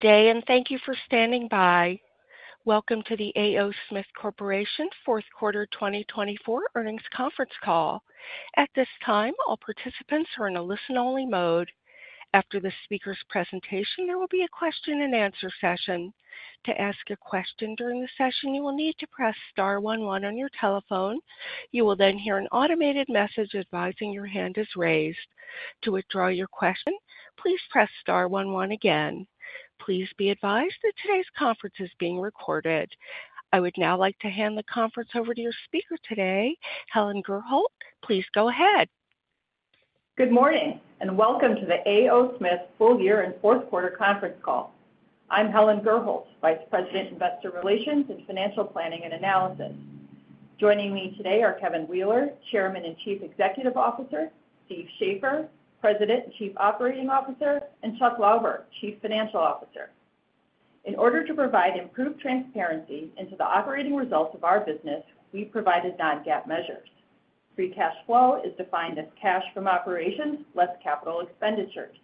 day, and thank you for standing by. Welcome to the A. O. Smith Corporation Fourth Quarter 2024 Earnings Conference Call. At this time, all participants are in a listen-only mode. After the speaker's presentation, there will be a question-and-answer session. To ask a question during the session, you will need to press star 11 on your telephone. You will then hear an automated message advising your hand is raised. To withdraw your question, please press star 11 again. Please be advised that today's conference is being recorded. I would now like to hand the conference over to your speaker today, Helen Gurholt. Please go ahead. Good morning, and welcome to the A. O. Smith Full Year and Fourth Quarter Conference Call. I'm Helen Gurholt, Vice President, Investor Relations and Financial Planning and Analysis. Joining me today are Kevin Wheeler, Chairman and Chief Executive Officer, Steve Shafer, President and Chief Operating Officer, and Chuck Lauber, Chief Financial Officer. In order to provide improved transparency into the operating results of our business, we provided non-GAAP measures. Free cash flow is defined as cash from operations less capital expenditures.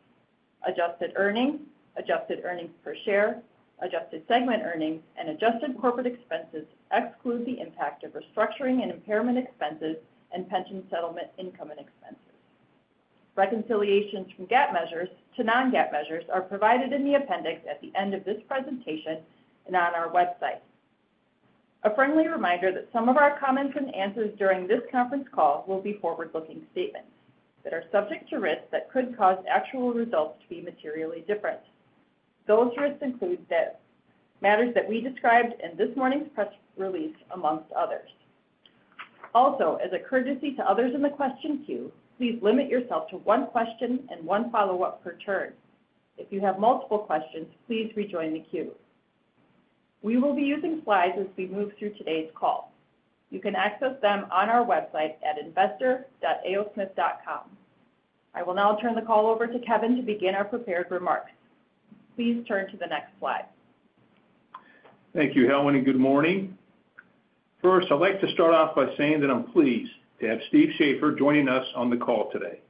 Adjusted earnings, adjusted earnings per share, adjusted segment earnings, and adjusted corporate expenses exclude the impact of restructuring and impairment expenses and pension settlement income and expenses. Reconciliations from GAAP measures to non-GAAP measures are provided in the appendix at the end of this presentation and on our website. A friendly reminder that some of our comments and answers during this conference call will be forward-looking statements that are subject to risks that could cause actual results to be materially different. Those risks include matters that we described in this morning's press release, among others. Also, as a courtesy to others in the question queue, please limit yourself to one question and one follow-up per turn. If you have multiple questions, please rejoin the queue. We will be using slides as we move through today's call. You can access them on our website at investor.aosmith.com. I will now turn the call over to Kevin to begin our prepared remarks. Please turn to the next slide. Thank you, Helen, and good morning. First, I'd like to start off by saying that I'm pleased to have Steve Shafer joining us on the call today.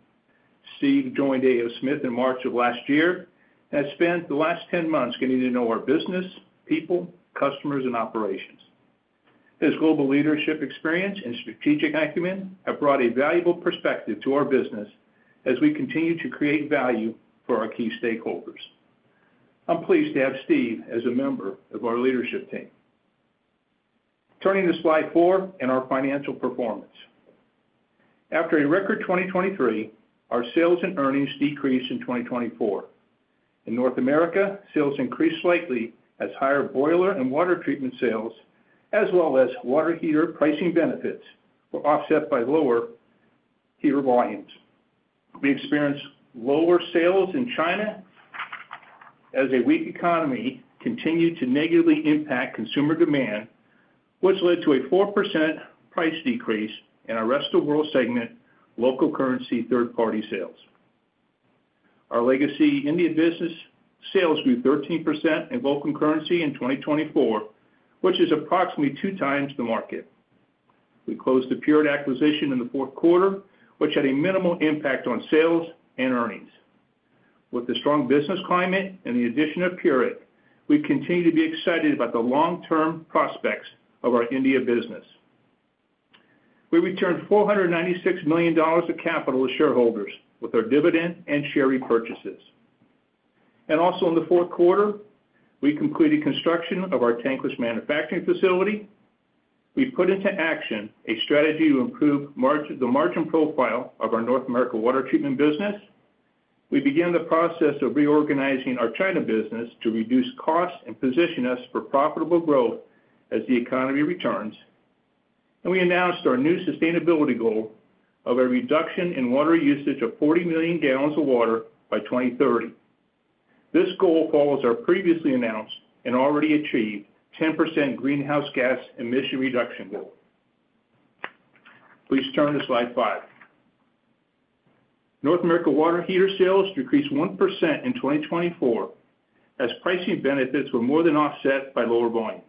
Steve joined A. O. Smith in March of last year and has spent the last 10 months getting to know our business, people, customers, and operations. His global leadership experience and strategic acumen have brought a valuable perspective to our business as we continue to create value for our key stakeholders. I'm pleased to have Steve as a member of our leadership team. Turning to slide four and our financial performance. After a record 2023, our sales and earnings decreased in 2024. In North America, sales increased slightly as higher boiler and water treatment sales, as well as water heater pricing benefits, were offset by lower heater volumes. We experienced lower sales in China as a weak economy continued to negatively impact consumer demand, which led to a 4% price decrease in our Rest of World segment local currency third-party sales. Our legacy Indian business sales grew 13% in local currency in 2024, which is approximately two times the market. We closed the Pureit acquisition in the fourth quarter, which had a minimal impact on sales and earnings. With the strong business climate and the addition of Pureit, we continue to be excited about the long-term prospects of our India business. We returned $496 million of capital to shareholders with our dividend and share repurchases. And also, in the fourth quarter, we completed construction of our tankless manufacturing facility. We put into action a strategy to improve the margin profile of our North America water treatment business. We began the process of reorganizing our China business to reduce costs and position us for profitable growth as the economy returns, and we announced our new sustainability goal of a reduction in water usage of 40 million gal of water by 2030. This goal follows our previously announced and already achieved 10% greenhouse gas emission reduction goal. Please turn to slide five. North America water heater sales decreased 1% in 2024 as pricing benefits were more than offset by lower volumes.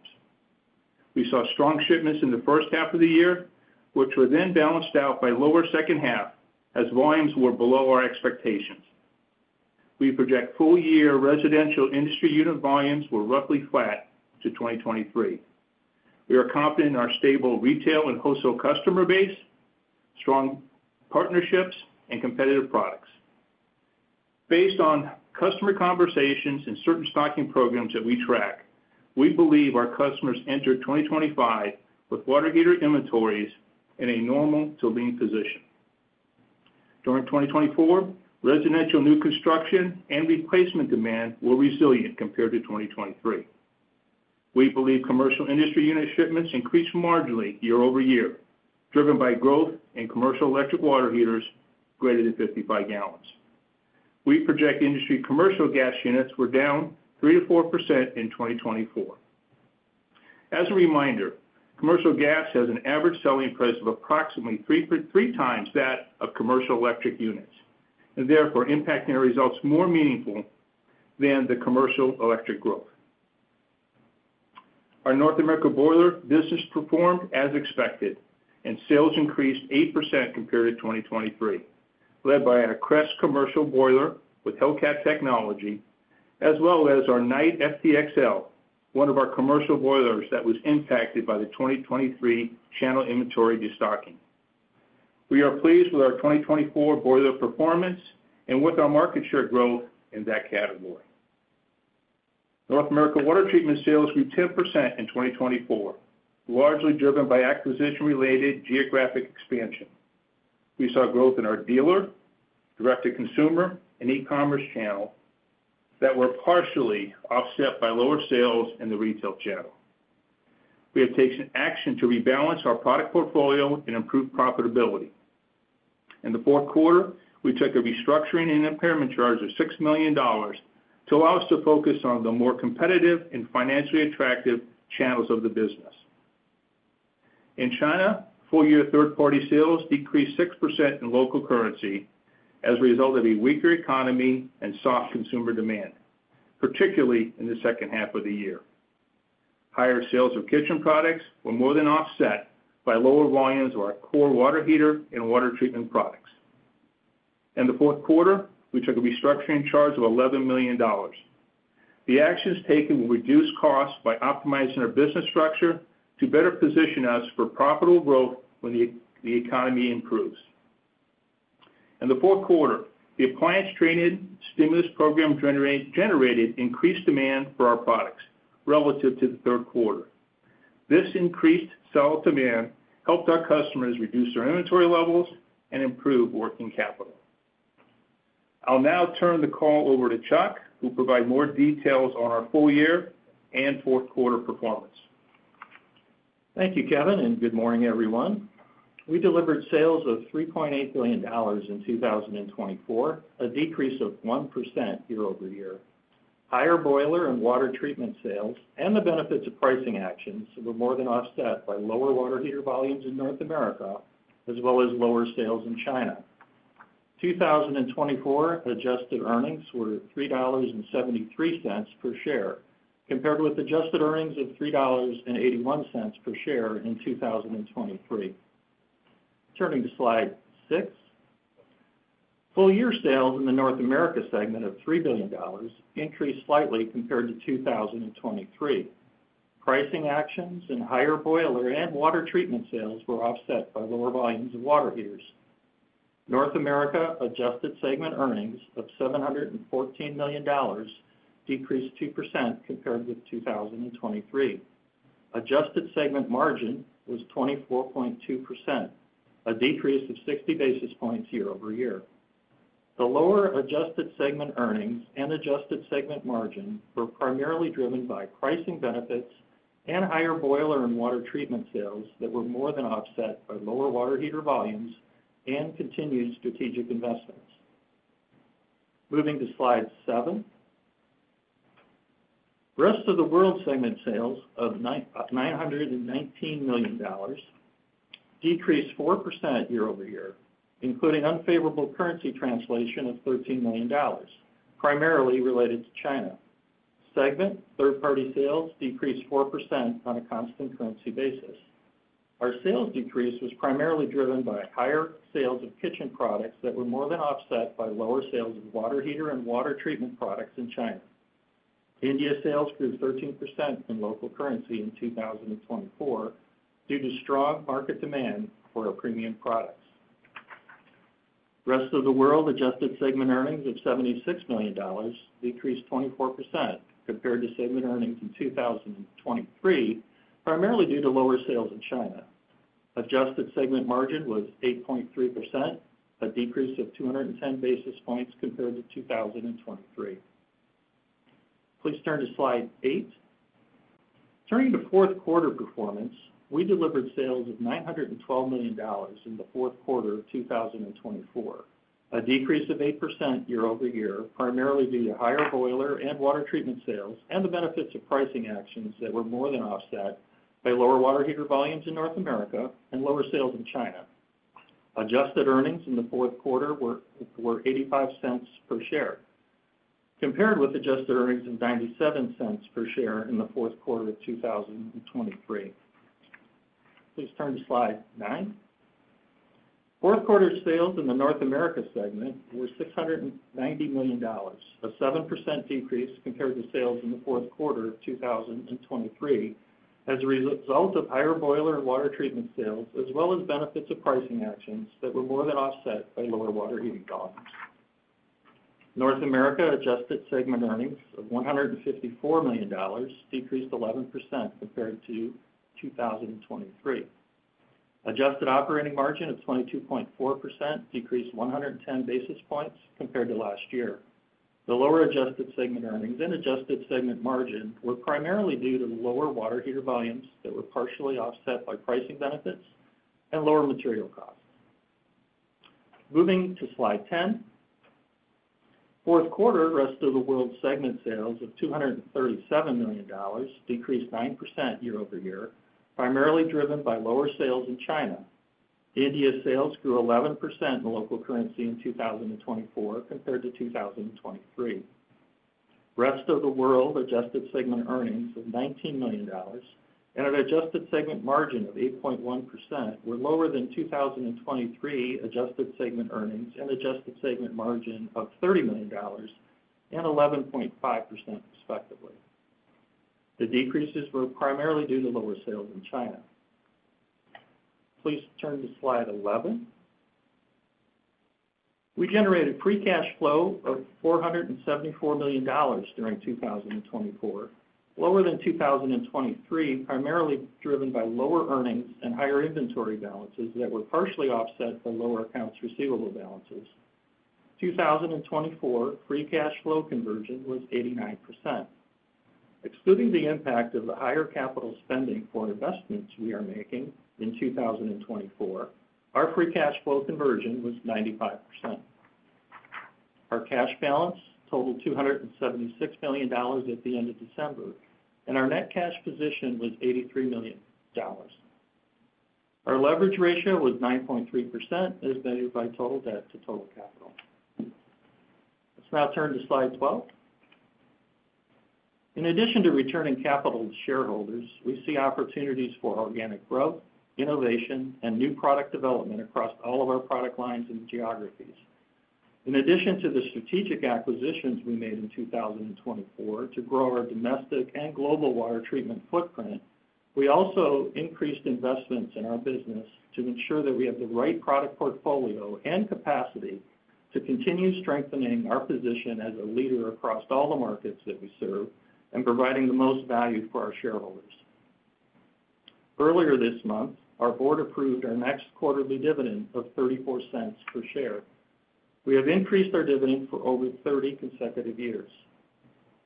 We saw strong shipments in the first half of the year, which were then balanced out by lower second half as volumes were below our expectations. We project full-year residential industry unit volumes were roughly flat to 2023. We are confident in our stable retail and wholesale customer base, strong partnerships, and competitive products. Based on customer conversations and certain stocking programs that we track, we believe our customers entered 2025 with water heater inventories in a normal to lean position. During 2024, residential new construction and replacement demand were resilient compared to 2023. We believe commercial industry unit shipments increased marginally year over year, driven by growth in commercial electric water heaters greater than 55 gal. We project industry commercial gas units were down 3%-4% in 2024. As a reminder, commercial gas has an average selling price of approximately three times that of commercial electric units, and therefore impacting our results more meaningful than the commercial electric growth. Our North America boiler business performed as expected, and sales increased 8% compared to 2023, led by our Crest commercial boiler with Hellcat technology, as well as our Knight FTXL, one of our commercial boilers that was impacted by the 2023 channel inventory destocking. We are pleased with our 2024 boiler performance and with our market share growth in that category. North America water treatment sales grew 10% in 2024, largely driven by acquisition-related geographic expansion. We saw growth in our dealer, direct-to-consumer, and e-commerce channel that were partially offset by lower sales in the retail channel. We have taken action to rebalance our product portfolio and improve profitability. In the fourth quarter, we took a restructuring and impairment charge of $6 million to allow us to focus on the more competitive and financially attractive channels of the business. In China, full-year third-party sales decreased 6% in local currency as a result of a weaker economy and soft consumer demand, particularly in the second half of the year. Higher sales of kitchen products were more than offset by lower volumes of our core water heater and water treatment products. In the fourth quarter, we took a restructuring charge of $11 million. The actions taken will reduce costs by optimizing our business structure to better position us for profitable growth when the economy improves. In the fourth quarter, the appliance trade-in stimulus program generated increased demand for our products relative to the third quarter. This increased sell-out demand helped our customers reduce their inventory levels and improve working capital. I'll now turn the call over to Chuck, who will provide more details on our full year and fourth quarter performance. Thank you, Kevin, and good morning, everyone. We delivered sales of $3.8 billion in 2024, a decrease of 1% year over year. Higher boiler and water treatment sales and the benefits of pricing actions were more than offset by lower water heater volumes in North America, as well as lower sales in China. 2024 adjusted earnings were $3.73 per share, compared with adjusted earnings of $3.81 per share in 2023. Turning to slide six, full-year sales in the North America segment of $3 billion increased slightly compared to 2023. Pricing actions and higher boiler and water treatment sales were offset by lower volumes of water heaters. North America adjusted segment earnings of $714 million decreased 2% compared with 2023. Adjusted segment margin was 24.2%, a decrease of 60 basis points year over year. The lower adjusted segment earnings and adjusted segment margin were primarily driven by pricing benefits and higher boiler and water treatment sales that were more than offset by lower water heater volumes and continued strategic investments. Moving to slide seven, Rest of World segment sales of $919 million decreased 4% year over year, including unfavorable currency translation of $13 million, primarily related to China. Segment third-party sales decreased 4% on a constant currency basis. Our sales decrease was primarily driven by higher sales of kitchen products that were more than offset by lower sales of water heater and water treatment products in China. India sales grew 13% in local currency in 2024 due to strong market demand for our premium products. Rest of World adjusted segment earnings of $76 million decreased 24% compared to segment earnings in 2023, primarily due to lower sales in China. Adjusted segment margin was 8.3%, a decrease of 210 basis points compared to 2023. Please turn to slide eight. Turning to fourth quarter performance, we delivered sales of $912 million in the fourth quarter of 2024, a decrease of 8% year over year, primarily due to higher boiler and water treatment sales and the benefits of pricing actions that were more than offset by lower water heater volumes in North America and lower sales in China. Adjusted earnings in the fourth quarter were $0.85 per share, compared with adjusted earnings of $0.97 per share in the fourth quarter of 2023. Please turn to slide nine. Fourth quarter sales in the North America segment were $690 million, a 7% decrease compared to sales in the fourth quarter of 2023 as a result of higher boiler and water treatment sales, as well as benefits of pricing actions that were more than offset by lower water heating volumes. North America adjusted segment earnings of $154 million decreased 11% compared to 2023. Adjusted operating margin of 22.4% decreased 110 basis points compared to last year. The lower adjusted segment earnings and adjusted segment margin were primarily due to lower water heater volumes that were partially offset by pricing benefits and lower material costs. Moving to slide 10, fourth quarter Rest of World segment sales of $237 million decreased 9% year over year, primarily driven by lower sales in China. India sales grew 11% in local currency in 2024 compared to 2023. Rest of World adjusted segment earnings of $19 million and an adjusted segment margin of 8.1% were lower than 2023 adjusted segment earnings and adjusted segment margin of $30 million and 11.5%, respectively. The decreases were primarily due to lower sales in China. Please turn to slide 11. We generated free cash flow of $474 million during 2024, lower than 2023, primarily driven by lower earnings and higher inventory balances that were partially offset by lower accounts receivable balances. 2024 free cash flow conversion was 89%. Excluding the impact of the higher capital spending for investments we are making in 2024, our free cash flow conversion was 95%. Our cash balance totaled $276 million at the end of December, and our net cash position was $83 million. Our leverage ratio was 9.3%, as measured by total debt to total capital. Let's now turn to slide 12. In addition to returning capital to shareholders, we see opportunities for organic growth, innovation, and new product development across all of our product lines and geographies. In addition to the strategic acquisitions we made in 2024 to grow our domestic and global water treatment footprint, we also increased investments in our business to ensure that we have the right product portfolio and capacity to continue strengthening our position as a leader across all the markets that we serve and providing the most value for our shareholders. Earlier this month, our board approved our next quarterly dividend of $0.34 per share. We have increased our dividend for over 30 consecutive years.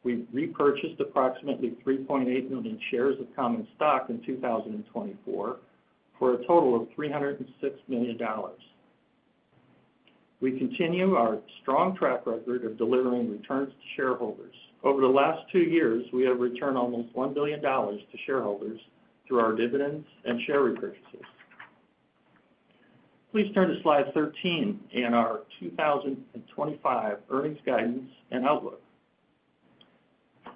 We repurchased approximately 3.8 million shares of common stock in 2024 for a total of $306 million. We continue our strong track record of delivering returns to shareholders. Over the last two years, we have returned almost $1 billion to shareholders through our dividends and share repurchases. Please turn to slide 13 in our 2025 earnings guidance and outlook.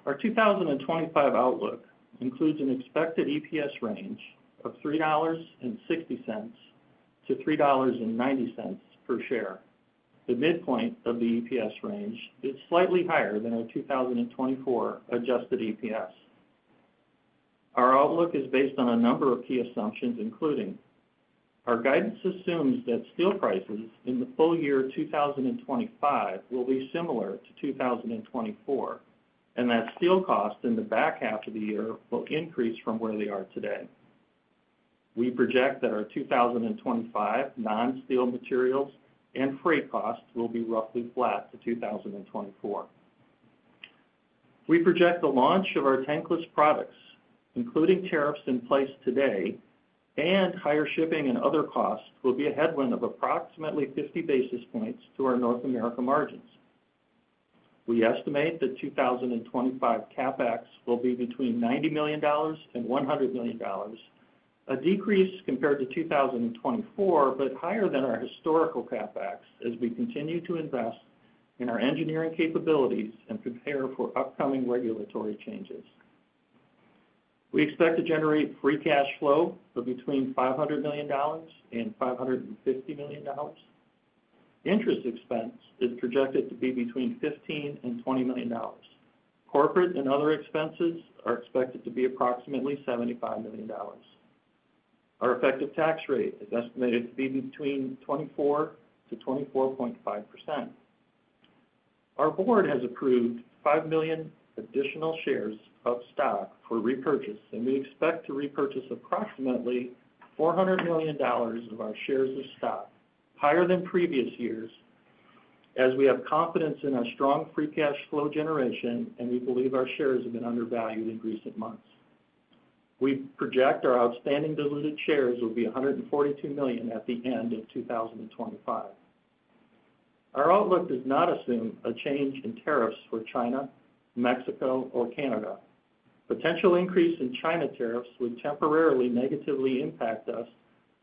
Our 2025 outlook includes an expected EPS range of $3.60-$3.90 per share. The midpoint of the EPS range is slightly higher than our 2024 adjusted EPS. Our outlook is based on a number of key assumptions, including our guidance assumes that steel prices in the full year 2025 will be similar to 2024, and that steel costs in the back half of the year will increase from where they are today. We project that our 2025 non-steel materials and freight costs will be roughly flat to 2024. We project the launch of our tankless products, including tariffs in place today, and higher shipping and other costs will be a headwind of approximately 50 basis points to our North America margins. We estimate that 2025 CapEx will be between $90 million and $100 million, a decrease compared to 2024, but higher than our historical CapEx as we continue to invest in our engineering capabilities and prepare for upcoming regulatory changes. We expect to generate free cash flow of between $500 million and $550 million. Interest expense is projected to be between $15 million and $20 million. Corporate and other expenses are expected to be approximately $75 million. Our effective tax rate is estimated to be between 24% to 24.5%. Our board has approved five million additional shares of stock for repurchase, and we expect to repurchase approximately $400 million of our shares of stock, higher than previous years, as we have confidence in our strong free cash flow generation, and we believe our shares have been undervalued in recent months. We project our outstanding diluted shares will be 142 million at the end of 2025. Our outlook does not assume a change in tariffs for China, Mexico, or Canada. Potential increase in China tariffs would temporarily negatively impact us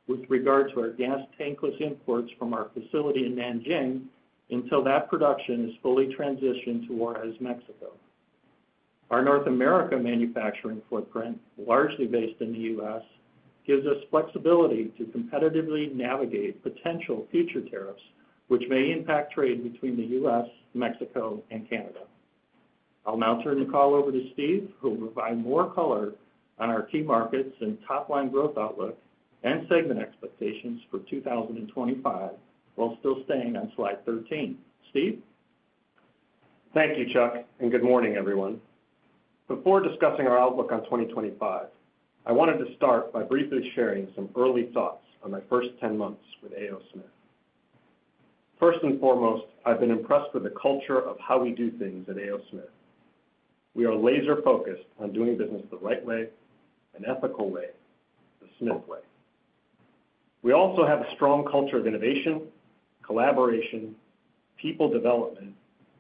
with regard to our gas tankless imports from our facility in Nanjing until that production is fully transitioned to Juárez, Mexico. Our North America manufacturing footprint, largely based in the U.S., gives us flexibility to competitively navigate potential future tariffs, which may impact trade between the U.S., Mexico, and Canada. I'll now turn the call over to Steve, who will provide more color on our key markets and top-line growth outlook and segment expectations for 2025 while still staying on slide 13. Steve? Thank you, Chuck, and good morning, everyone. Before discussing our outlook on 2025, I wanted to start by briefly sharing some early thoughts on my first 10 months with A. O. Smith. First and foremost, I've been impressed with the culture of how we do things at A. O. Smith. We are laser-focused on doing business the right way, an ethical way, the Smith way. We also have a strong culture of innovation, collaboration, people development,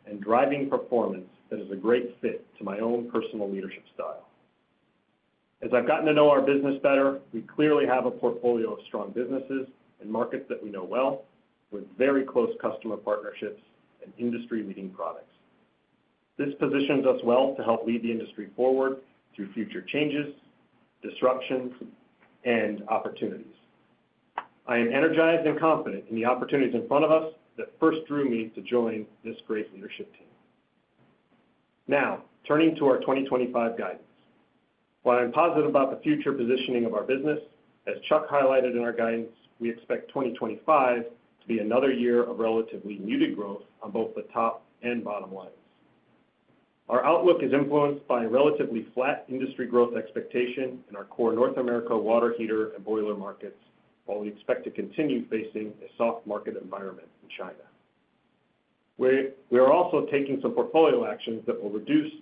and driving performance that is a great fit to my own personal leadership style. As I've gotten to know our business better, we clearly have a portfolio of strong businesses and markets that we know well, with very close customer partnerships and industry-leading products. This positions us well to help lead the industry forward through future changes, disruptions, and opportunities. I am energized and confident in the opportunities in front of us that first drew me to join this great leadership team. Now, turning to our 2025 guidance, while I'm positive about the future positioning of our business, as Chuck highlighted in our guidance, we expect 2025 to be another year of relatively muted growth on both the top and bottom lines. Our outlook is influenced by a relatively flat industry growth expectation in our core North America water heater and boiler markets, while we expect to continue facing a soft market environment in China. We are also taking some portfolio actions that will reduce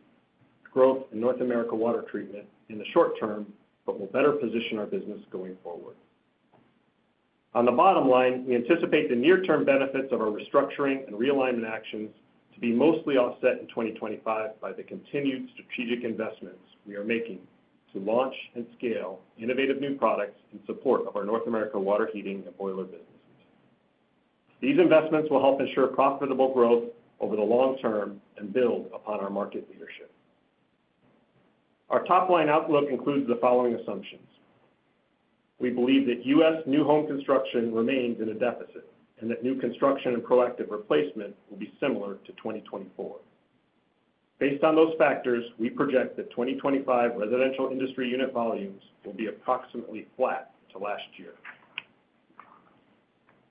growth in North America water treatment in the short term, but will better position our business going forward. On the bottom line, we anticipate the near-term benefits of our restructuring and realignment actions to be mostly offset in 2025 by the continued strategic investments we are making to launch and scale innovative new products in support of our North America water heating and boiler businesses. These investments will help ensure profitable growth over the long term and build upon our market leadership. Our top-line outlook includes the following assumptions. We believe that U.S. new home construction remains in a deficit and that new construction and proactive replacement will be similar to 2024. Based on those factors, we project that 2025 residential industry unit volumes will be approximately flat to last year.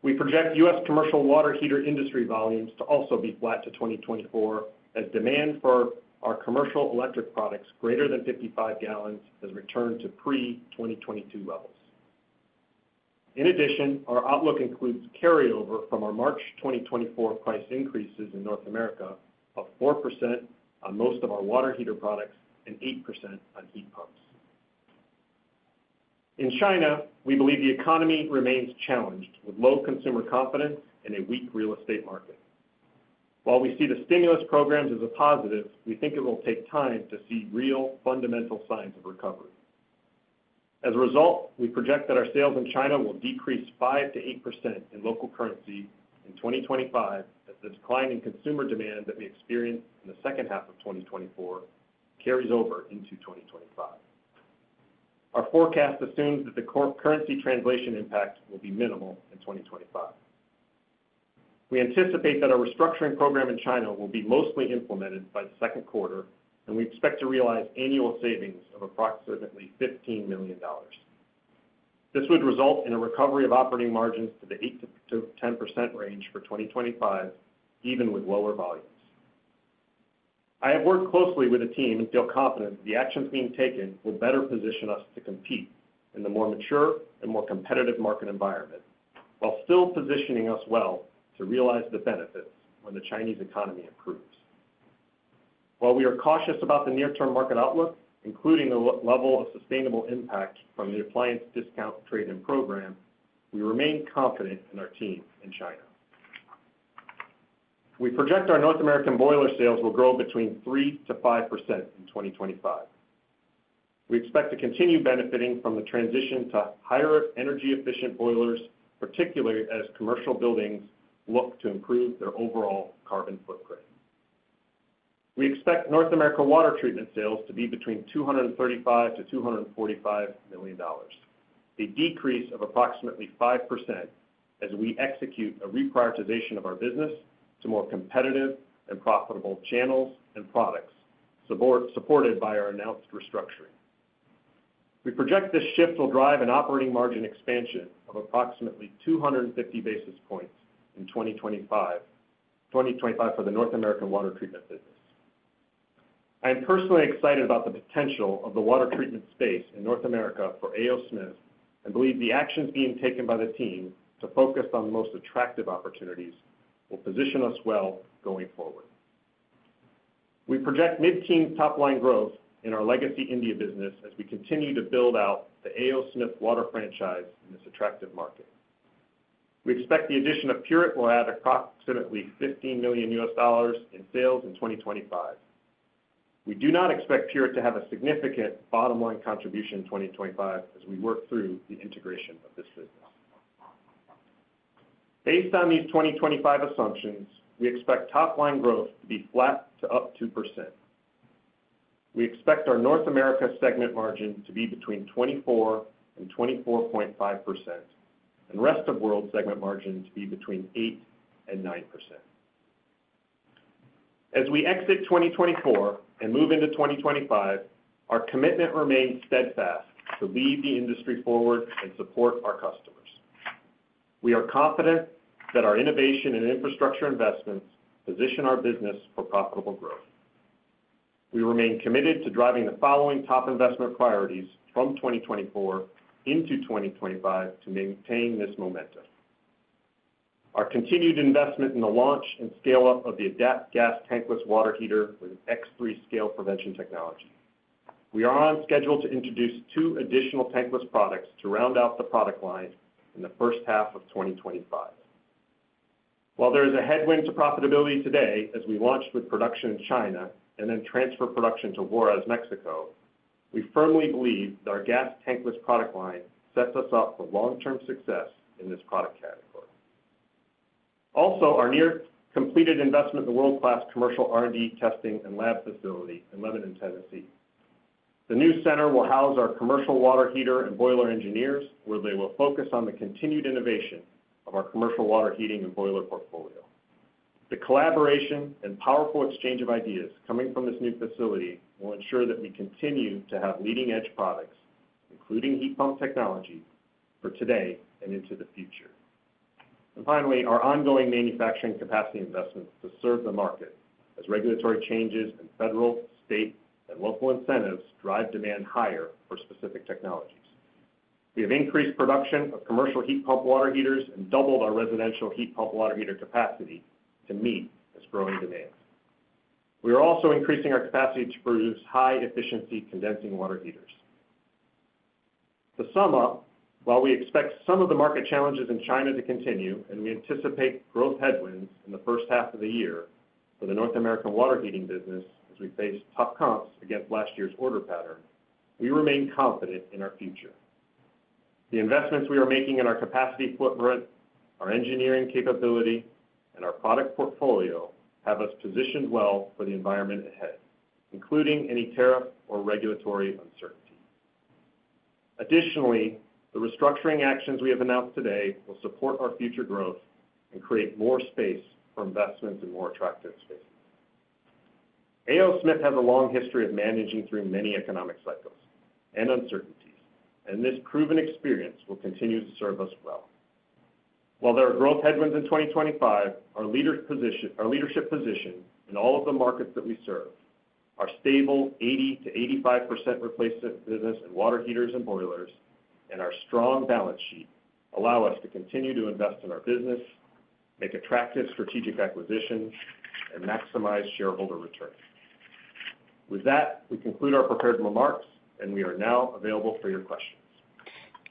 We project U.S. commercial water heater industry volumes to also be flat to 2024, as demand for our commercial electric products greater than 55 gallons has returned to pre-2022 levels. In addition, our outlook includes carryover from our March 2024 price increases in North America of 4% on most of our water heater products and 8% on heat pumps. In China, we believe the economy remains challenged with low consumer confidence and a weak real estate market. While we see the stimulus programs as a positive, we think it will take time to see real fundamental signs of recovery. As a result, we project that our sales in China will decrease 5%-8% in local currency in 2025, as the decline in consumer demand that we experienced in the second half of 2024 carries over into 2025. Our forecast assumes that the currency translation impact will be minimal in 2025. We anticipate that our restructuring program in China will be mostly implemented by the second quarter, and we expect to realize annual savings of approximately $15 million. This would result in a recovery of operating margins to the 8%-10% range for 2025, even with lower volumes. I have worked closely with the team and feel confident that the actions being taken will better position us to compete in the more mature and more competitive market environment, while still positioning us well to realize the benefits when the Chinese economy improves. While we are cautious about the near-term market outlook, including the level of sustainable impact from the appliance discount trade-in program, we remain confident in our team in China. We project our North American boiler sales will grow between 3%-5% in 2025. We expect to continue benefiting from the transition to higher energy-efficient boilers, particularly as commercial buildings look to improve their overall carbon footprint. We expect North America water treatment sales to be between $235 million-$245 million, a decrease of approximately 5% as we execute a reprioritization of our business to more competitive and profitable channels and products supported by our announced restructuring. We project this shift will drive an operating margin expansion of approximately 250 basis points in 2025 for the North American water treatment business. I am personally excited about the potential of the water treatment space in North America for A. O. Smith and believe the actions being taken by the team to focus on the most attractive opportunities will position us well going forward. We project mid-teen top-line growth in our legacy India business as we continue to build out the A. O. Smith water franchise in this attractive market. We expect the addition of Pureit will add approximately $15 million in sales in 2025. We do not expect Pureit to have a significant bottom-line contribution in 2025 as we work through the integration of this business. Based on these 2025 assumptions, we expect top-line growth to be flat to up 2%. We expect our North America segment margin to be between 24% and 24.5%, and Rest of World segment margin to be between 8% and 9%. As we exit 2024 and move into 2025, our commitment remains steadfast to lead the industry forward and support our customers. We are confident that our innovation and infrastructure investments position our business for profitable growth. We remain committed to driving the following top investment priorities from 2024 into 2025 to maintain this momentum. Our continued investment in the launch and scale-up of the ADAPT gas tankless water heater with X3 scale prevention technology. We are on schedule to introduce two additional tankless products to round out the product line in the first half of 2025. While there is a headwind to profitability today as we launched with production in China and then transferred production to Juarez, Mexico, we firmly believe that our gas tankless product line sets us up for long-term success in this product category. Also, our near-completed investment in the world-class commercial R&D testing and lab facility in Lebanon, Tennessee. The new center will house our commercial water heater and boiler engineers, where they will focus on the continued innovation of our commercial water heating and boiler portfolio. The collaboration and powerful exchange of ideas coming from this new facility will ensure that we continue to have leading-edge products, including heat pump technology, for today and into the future. And finally, our ongoing manufacturing capacity investments to serve the market, as regulatory changes in federal, state, and local incentives drive demand higher for specific technologies. We have increased production of commercial heat pump water heaters and doubled our residential heat pump water heater capacity to meet this growing demand. We are also increasing our capacity to produce high-efficiency condensing water heaters. To sum up, while we expect some of the market challenges in China to continue and we anticipate growth headwinds in the first half of the year for the North American water heating business as we face tough comps against last year's order pattern, we remain confident in our future. The investments we are making in our capacity footprint, our engineering capability, and our product portfolio have us positioned well for the environment ahead, including any tariff or regulatory uncertainty. Additionally, the restructuring actions we have announced today will support our future growth and create more space for investments in more attractive spaces. A. O. Smith has a long history of managing through many economic cycles and uncertainties, and this proven experience will continue to serve us well. While there are growth headwinds in 2025, our leadership position in all of the markets that we serve, our stable 80%-85% replacement business in water heaters and boilers, and our strong balance sheet allow us to continue to invest in our business, make attractive strategic acquisitions, and maximize shareholder returns. With that, we conclude our prepared remarks, and we are now available for your questions.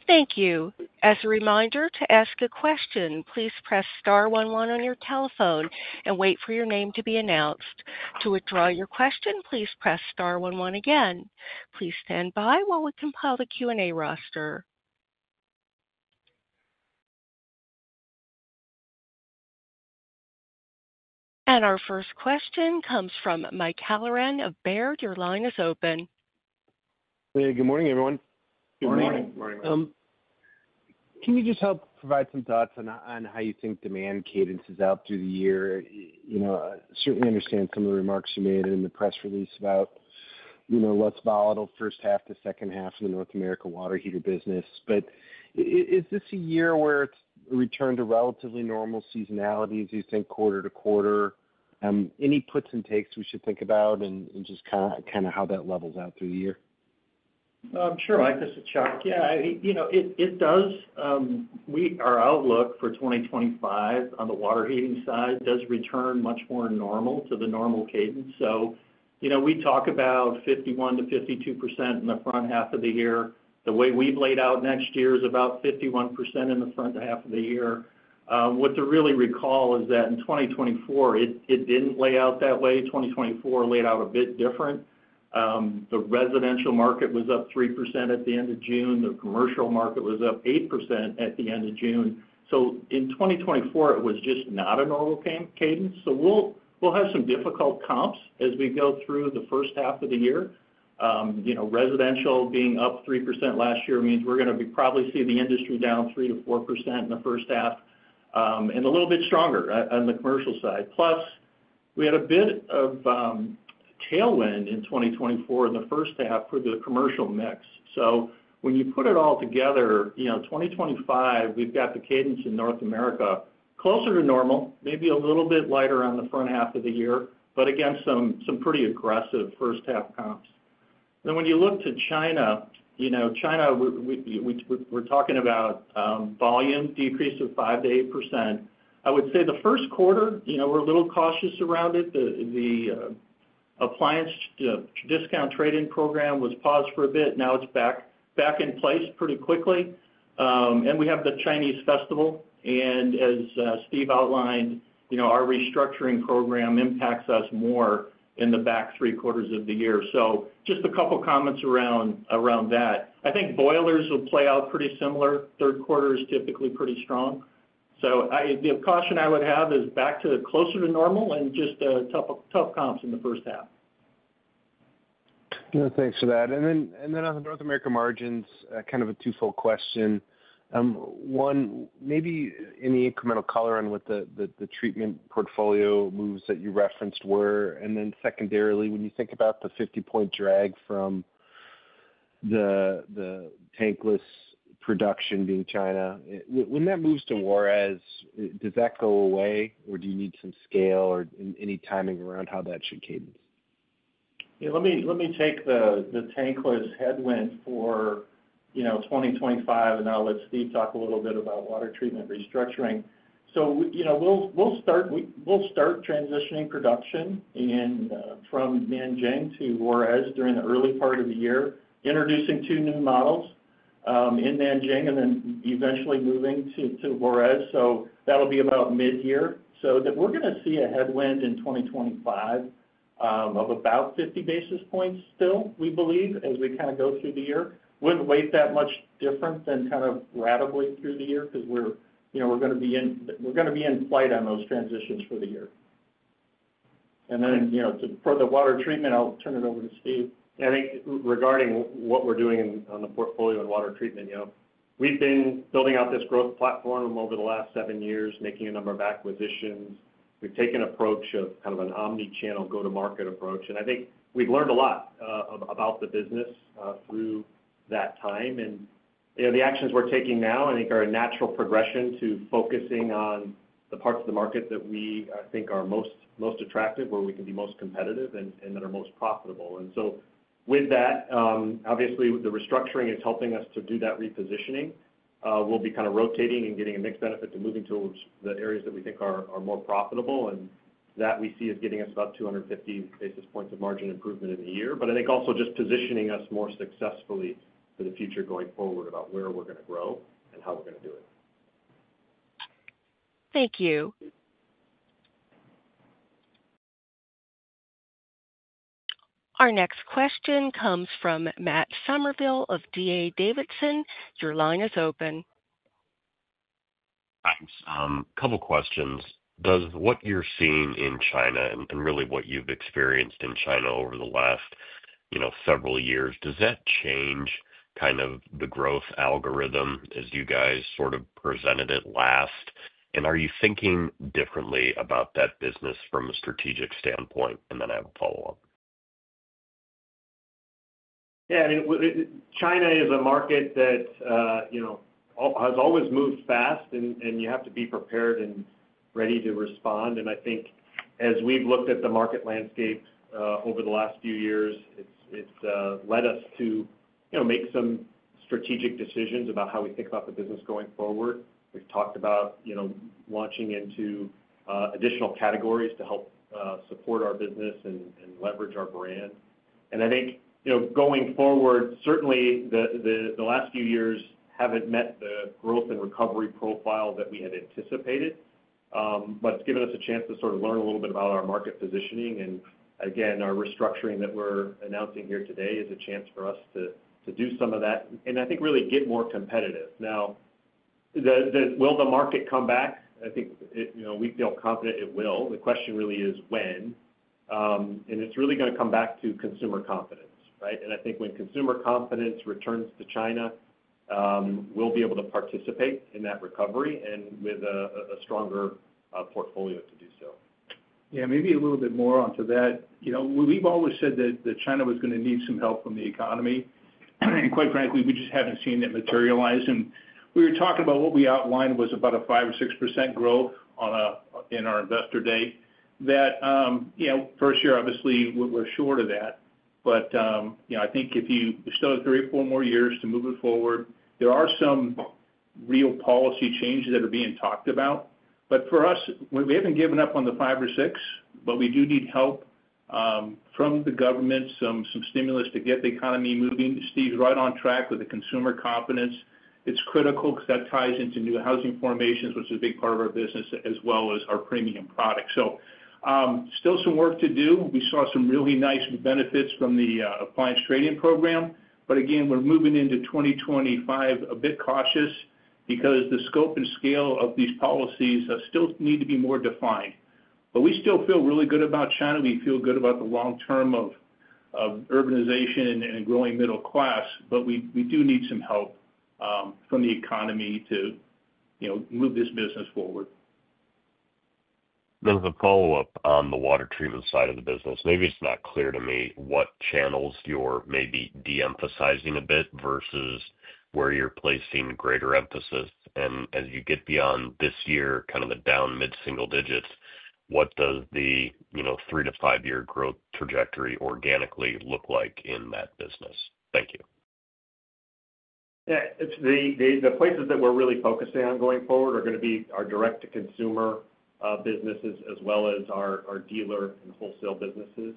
Thank you. As a reminder to ask a question, please press star 11 on your telephone and wait for your name to be announced. To withdraw your question, please press star 11 again. Please stand by while we compile the Q&A roster. And our first question comes from Mike Halloran of Baird. Your line is open. Good morning, everyone. Good morning. Morning, Mike. Can you just help provide some thoughts on how you think demand cadence has helped through the year? I certainly understand some of the remarks you made in the press release about what's volatile first half to second half in the North America water heater business. But is this a year where it's returned to relatively normal seasonalities, you think, quarter to quarter? Any puts and takes we should think about and just kind of how that levels out through the year? Sure. Hi, this is Chuck. Yeah, it does. Our outlook for 2025 on the water heating side does return much more normal to the normal cadence. So we talk about 51%-52% in the front half of the year. The way we've laid out next year is about 51% in the front half of the year. What to really recall is that in 2024, it didn't lay out that way. 2024 laid out a bit different. The residential market was up 3% at the end of June. The commercial market was up 8% at the end of June. So in 2024, it was just not a normal cadence. So we'll have some difficult comps as we go through the first half of the year. Residential being up 3% last year means we're going to probably see the industry down 3%-4% in the first half and a little bit stronger on the commercial side. Plus, we had a bit of tailwind in 2024 in the first half for the commercial mix. So when you put it all together, 2025, we've got the cadence in North America closer to normal, maybe a little bit lighter on the front half of the year, but again, some pretty aggressive first half comps. Then when you look to China, we're talking about volume decrease of 5%-8%. I would say the first quarter, we're a little cautious around it. The appliance discount trade-in program was paused for a bit. Now it's back in place pretty quickly. And we have the Chinese festival. And as Steve outlined, our restructuring program impacts us more in the back three quarters of the year. So just a couple of comments around that. I think boilers will play out pretty similar. Third quarter is typically pretty strong. So the caution I would have is back to closer to normal and just tough comps in the first half. Thanks for that. And then on the North America margins, kind of a twofold question. One, maybe any incremental color on what the treatment portfolio moves that you referenced were. And then secondarily, when you think about the 50-point drag from the tankless production being China, when that moves to Juarez, does that go away, or do you need some scale or any timing around how that should cadence? Yeah, let me take the tankless headwind for 2025, and I'll let Steve talk a little bit about water treatment restructuring. So we'll start transitioning production from Nanjing to Juarez during the early part of the year, introducing two new models in Nanjing and then eventually moving to Juarez. So that'll be about mid-year. So we're going to see a headwind in 2025 of about 50 basis points still, we believe, as we kind of go through the year. Won't be that much different than kind of what we saw through the year because we're going to be in flight on those transitions for the year. And then for the water treatment, I'll turn it over to Steve. I think regarding what we're doing on the portfolio and water treatment, we've been building out this growth platform over the last seven years, making a number of acquisitions. We've taken an approach of kind of an omnichannel go-to-market approach, and I think we've learned a lot about the business through that time, and the actions we're taking now, I think, are a natural progression to focusing on the parts of the market that we think are most attractive, where we can be most competitive and that are most profitable, and so with that, obviously, the restructuring is helping us to do that repositioning. We'll be kind of rotating and getting a mixed benefit to moving to the areas that we think are more profitable. And that we see as getting us about 250 basis points of margin improvement in the year. But I think also just positioning us more successfully for the future going forward about where we're going to grow and how we're going to do it. Thank you. Our next question comes from Matt Summerville of D.A. Davidson. Your line is open. Thanks. A couple of questions. Does what you're seeing in China and really what you've experienced in China over the last several years, does that change kind of the growth algorithm as you guys sort of presented it last? And are you thinking differently about that business from a strategic standpoint? And then I have a follow-up. Yeah. I mean, China is a market that has always moved fast, and you have to be prepared and ready to respond. And I think as we've looked at the market landscape over the last few years, it's led us to make some strategic decisions about how we think about the business going forward. We've talked about launching into additional categories to help support our business and leverage our brand. And I think going forward, certainly the last few years haven't met the growth and recovery profile that we had anticipated, but it's given us a chance to sort of learn a little bit about our market positioning. And again, our restructuring that we're announcing here today is a chance for us to do some of that and I think really get more competitive. Now, will the market come back? I think we feel confident it will. The question really is when, and it's really going to come back to consumer confidence, right, and I think when consumer confidence returns to China, we'll be able to participate in that recovery and with a stronger portfolio to do so. Yeah, maybe a little bit more onto that. We've always said that China was going to need some help from the economy. And quite frankly, we just haven't seen it materialize. And we were talking about what we outlined was about a 5% or 6% growth in our investor day. That first year, obviously, we're short of that. But I think if you still have three or four more years to move it forward, there are some real policy changes that are being talked about. But for us, we haven't given up on the 5% or 6%, but we do need help from the government, some stimulus to get the economy moving. Steve's right on track with the consumer confidence. It's critical because that ties into new housing formations, which is a big part of our business, as well as our premium products. So still some work to do. We saw some really nice benefits from the appliance trading program. But again, we're moving into 2025 a bit cautious because the scope and scale of these policies still need to be more defined. But we still feel really good about China. We feel good about the long term of urbanization and growing middle class. But we do need some help from the economy to move this business forward. There's a follow-up on the water treatment side of the business. Maybe it's not clear to me what channels you're maybe de-emphasizing a bit versus where you're placing greater emphasis. And as you get beyond this year, kind of the down mid-single digits, what does the three- to five-year growth trajectory organically look like in that business? Thank you. Yeah. The places that we're really focusing on going forward are going to be our direct-to-consumer businesses as well as our dealer and wholesale businesses.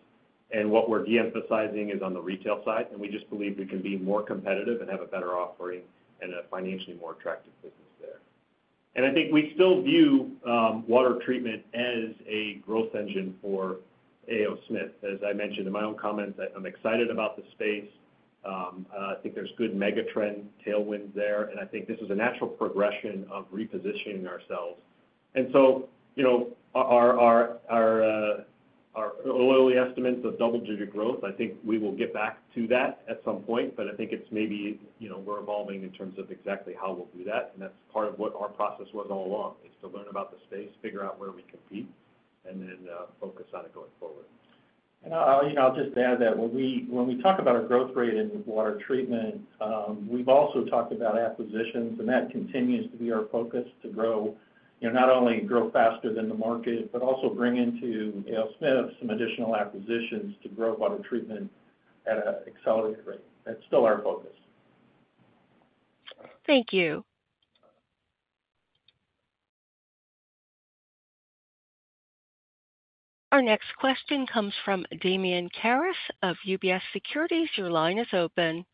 And what we're de-emphasizing is on the retail side. And we just believe we can be more competitive and have a better offering and a financially more attractive business there. And I think we still view water treatment as a growth engine for A. O. Smith. As I mentioned in my own comments, I'm excited about the space. I think there's good megatrend tailwinds there. And I think this is a natural progression of repositioning ourselves. And so our early estimates of double-digit growth, I think we will get back to that at some point. But I think it's maybe we're evolving in terms of exactly how we'll do that. That's part of what our process was all along, is to learn about the space, figure out where we compete, and then focus on it going forward. I'll just add that when we talk about our growth rate in water treatment, we've also talked about acquisitions. That continues to be our focus to grow not only faster than the market, but also bring into A. O. Smith some additional acquisitions to grow water treatment at an accelerated rate. That's still our focus. Thank you. Our next question comes from Damian Karas of UBS Securities. Your line is open.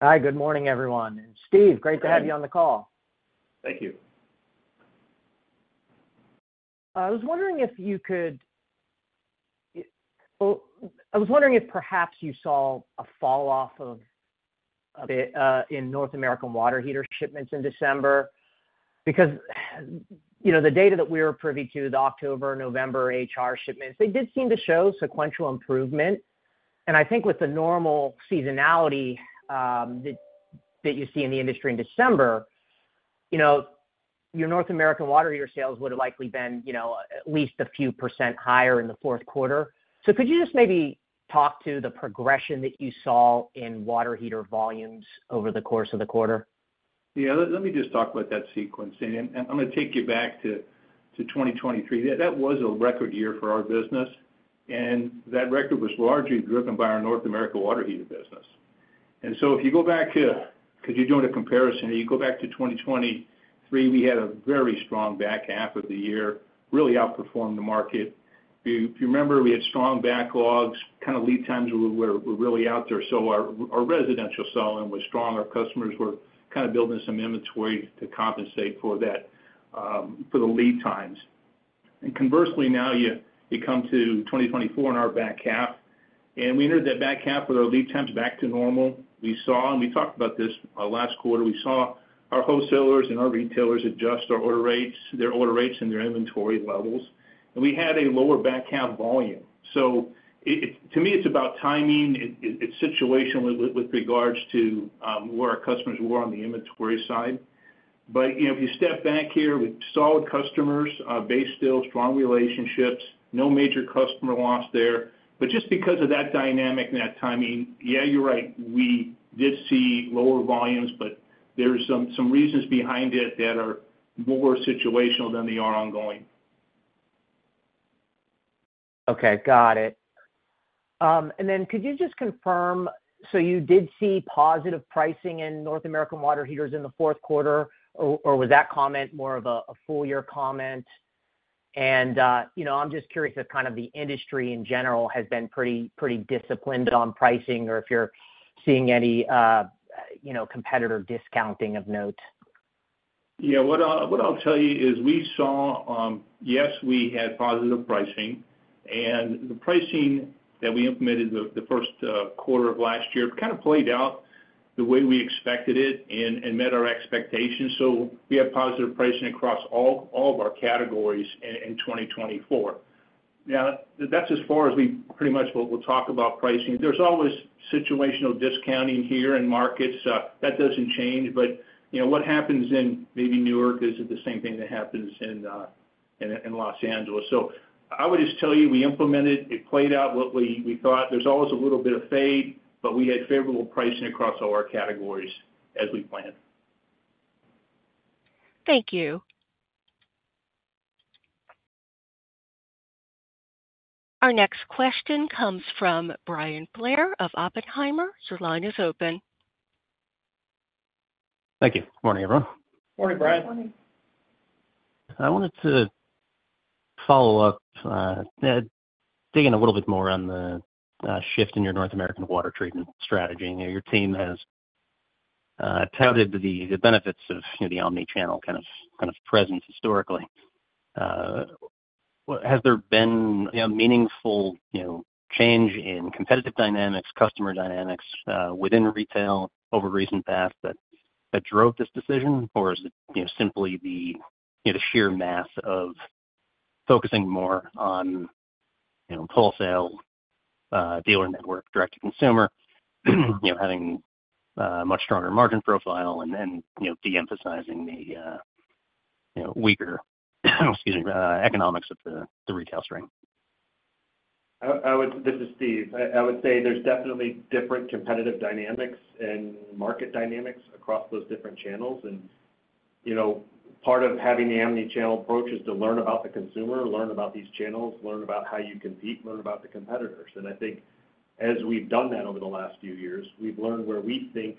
Hi, good morning, everyone. And Steve, great to have you on the call. Thank you. I was wondering if perhaps you saw a falloff of it in North American water heater shipments in December because the data that we were privy to, the October and November AHRI shipments, they did seem to show sequential improvement, and I think with the normal seasonality that you see in the industry in December, your North American water heater sales would have likely been at least a few % higher in the fourth quarter, so could you just maybe talk to the progression that you saw in water heater volumes over the course of the quarter? Yeah, let me just talk about that sequence. And I'm going to take you back to 2023. That was a record year for our business. And that record was largely driven by our North America water heater business. And so if you go back to, because you're doing a comparison, you go back to 2023, we had a very strong back half of the year, really outperformed the market. If you remember, we had strong backlogs, kind of lead times were really out there. So our residential selling was strong. Our customers were kind of building some inventory to compensate for that, for the lead times. And conversely, now you come to 2024 and our back half. And we entered that back half with our lead times back to normal. We saw, and we talked about this last quarter, we saw our wholesalers and our retailers adjust their order rates and their inventory levels. And we had a lower back half volume. So to me, it's about timing. It's situational with regards to where our customers were on the inventory side. But if you step back here, we have solid customers, base sales, strong relationships, no major customer loss there. But just because of that dynamic and that timing, yeah, you're right, we did see lower volumes, but there are some reasons behind it that are more situational than they are ongoing. Okay, got it, and then could you just confirm, so you did see positive pricing in North American water heaters in the fourth quarter, or was that comment more of a full-year comment, and I'm just curious if kind of the industry in general has been pretty disciplined on pricing or if you're seeing any competitor discounting of note. Yeah, what I'll tell you is we saw, yes, we had positive pricing. And the pricing that we implemented the first quarter of last year kind of played out the way we expected it and met our expectations. So we had positive pricing across all of our categories in 2024. Now, that's as far as we pretty much will talk about pricing. There's always situational discounting here in markets. That doesn't change. But what happens in maybe Newark is the same thing that happens in Los Angeles. So I would just tell you we implemented it, it played out what we thought. There's always a little bit of fade, but we had favorable pricing across all our categories as we planned. Thank you. Our next question comes from Bryan Blair of Oppenheimer. Your line is open. Thank you. Good morning, everyone. Morning, Brian. Morning. I wanted to follow up, dig in a little bit more on the shift in your North American water treatment strategy. Your team has touted the benefits of the omnichannel kind of presence historically. Has there been a meaningful change in competitive dynamics, customer dynamics within retail over recent past that drove this decision, or is it simply the sheer math of focusing more on wholesale, dealer network, direct-to-consumer, having a much stronger margin profile and de-emphasizing the weaker, excuse me, economics of the retail channel? This is Steve. I would say there's definitely different competitive dynamics and market dynamics across those different channels, and part of having the omnichannel approach is to learn about the consumer, learn about these channels, learn about how you compete, learn about the competitors, and I think as we've done that over the last few years, we've learned where we think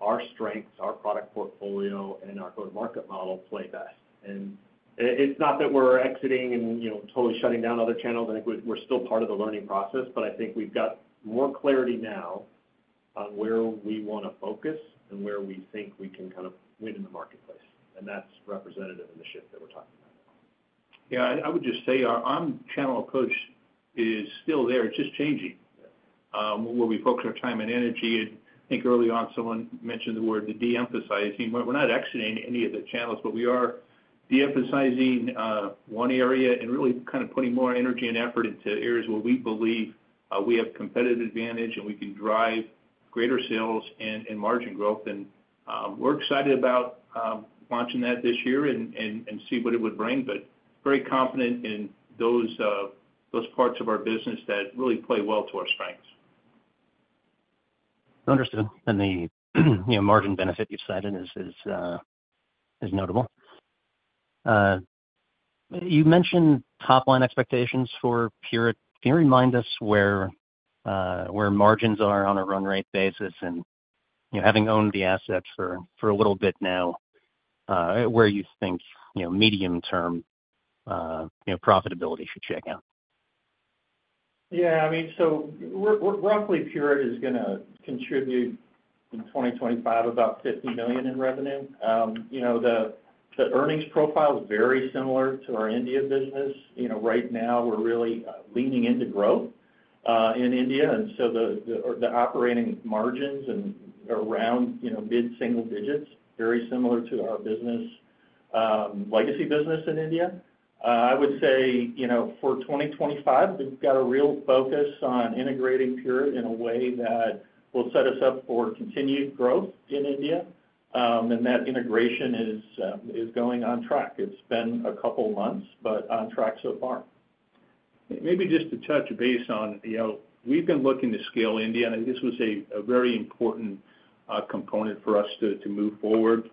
our strengths, our product portfolio, and our go-to-market model play best, and it's not that we're exiting and totally shutting down other channels. I think we're still part of the learning process, but I think we've got more clarity now on where we want to focus and where we think we can kind of win in the marketplace, and that's representative of the shift that we're talking about. Yeah, I would just say our omnichannel approach is still there. It's just changing where we focus our time and energy. And I think early on, someone mentioned the word de-emphasizing. We're not exiting any of the channels, but we are de-emphasizing one area and really kind of putting more energy and effort into areas where we believe we have competitive advantage and we can drive greater sales and margin growth. And we're excited about launching that this year and see what it would bring. But very confident in those parts of our business that really play well to our strengths. Understood, and the margin benefit you've cited is notable. You mentioned top-line expectations for Pureit. Can you remind us where margins are on a run-rate basis, and having owned the assets for a little bit now, where you think medium-term profitability should check out? Yeah. I mean, so roughly Pureit is going to contribute in 2025 about $50 million in revenue. The earnings profile is very similar to our India business. Right now, we're really leaning into growth in India. And so the operating margins are around mid-single digits, very similar to our legacy business in India. I would say for 2025, we've got a real focus on integrating Pureit in a way that will set us up for continued growth in India. And that integration is going on track. It's been a couple of months, but on track so far. Maybe just to touch base on, we've been looking to scale India. And I think this was a very important component for us to move forward.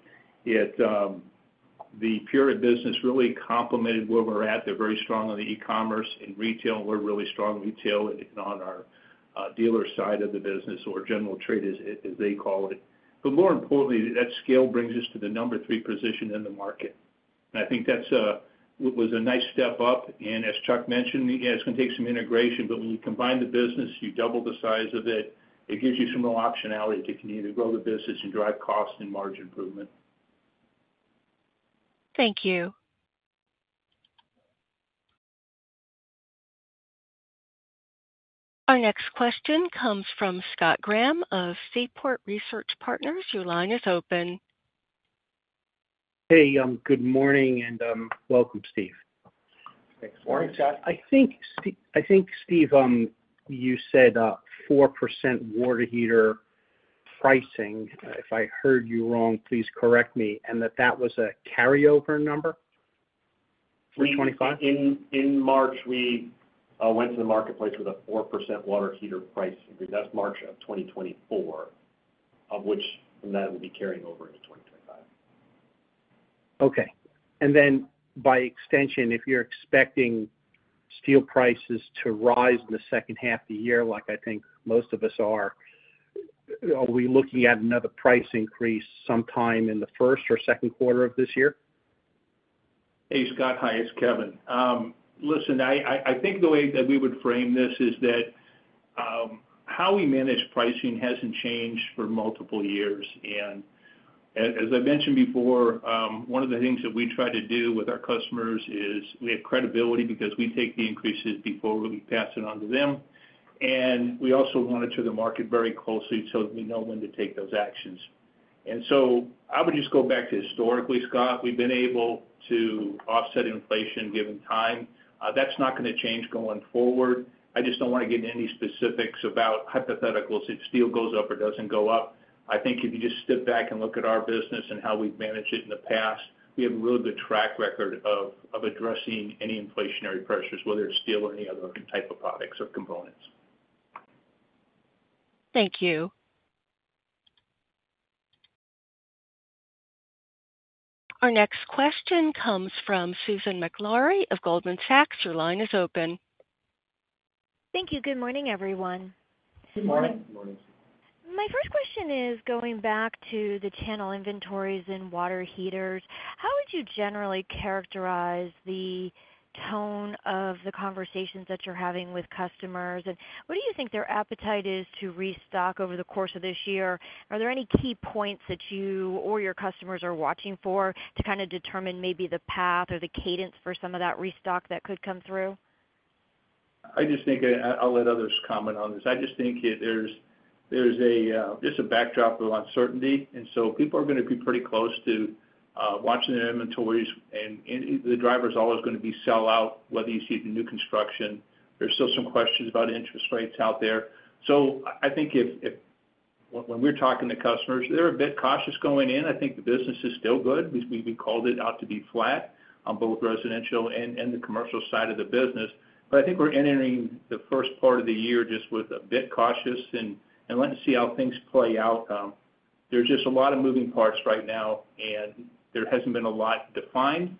The Pureit business really complemented where we're at. They're very strong in the e-commerce and retail. We're really strong in retail and on our dealer side of the business or general trade, as they call it. But more importantly, that scale brings us to the number three position in the market. And I think that was a nice step up. And as Chuck mentioned, it's going to take some integration. But when you combine the business, you double the size of it. It gives you some real optionality to continue to grow the business and drive cost and margin improvement. Thank you. Our next question comes from Scott Graham of Seaport Research Partners. Your line is open. Hey, good morning, and welcome, Steve. Good morning, Scott. I think, Steve, you said 4% water heater pricing. If I heard you wrong, please correct me, and that was a carryover number for 2025? In March, we went to the marketplace with a 4% water heater price increase. That's March of 2024, of which that will be carrying over into 2025. Okay. And then by extension, if you're expecting steel prices to rise in the second half of the year, like I think most of us are, are we looking at another price increase sometime in the first or second quarter of this year? Hey, Scott, hi. It's Kevin. Listen, I think the way that we would frame this is that how we manage pricing hasn't changed for multiple years, and as I mentioned before, one of the things that we try to do with our customers is we have credibility because we take the increases before we pass it on to them, and we also monitor the market very closely so that we know when to take those actions, and so I would just go back to historically, Scott. We've been able to offset inflation given time. That's not going to change going forward. I just don't want to get into any specifics about hypotheticals if steel goes up or doesn't go up. I think if you just step back and look at our business and how we've managed it in the past, we have a really good track record of addressing any inflationary pressures, whether it's steel or any other type of products or components. Thank you. Our next question comes from Susan Maklari of Goldman Sachs. Your line is open. Thank you. Good morning, everyone. Good morning. Good morning. My first question is going back to the channel inventories and water heaters. How would you generally characterize the tone of the conversations that you're having with customers? And what do you think their appetite is to restock over the course of this year? Are there any key points that you or your customers are watching for to kind of determine maybe the path or the cadence for some of that restock that could come through? I just think I'll let others comment on this. I just think there's just a backdrop of uncertainty, and so people are going to be pretty close to watching their inventories, and the driver's always going to be sell-out, whether you see the new construction. There's still some questions about interest rates out there, so I think when we're talking to customers, they're a bit cautious going in. I think the business is still good. We called it out to be flat on both residential and the commercial side of the business, but I think we're entering the first part of the year just with a bit cautious and let's see how things play out. There's just a lot of moving parts right now, and there hasn't been a lot defined.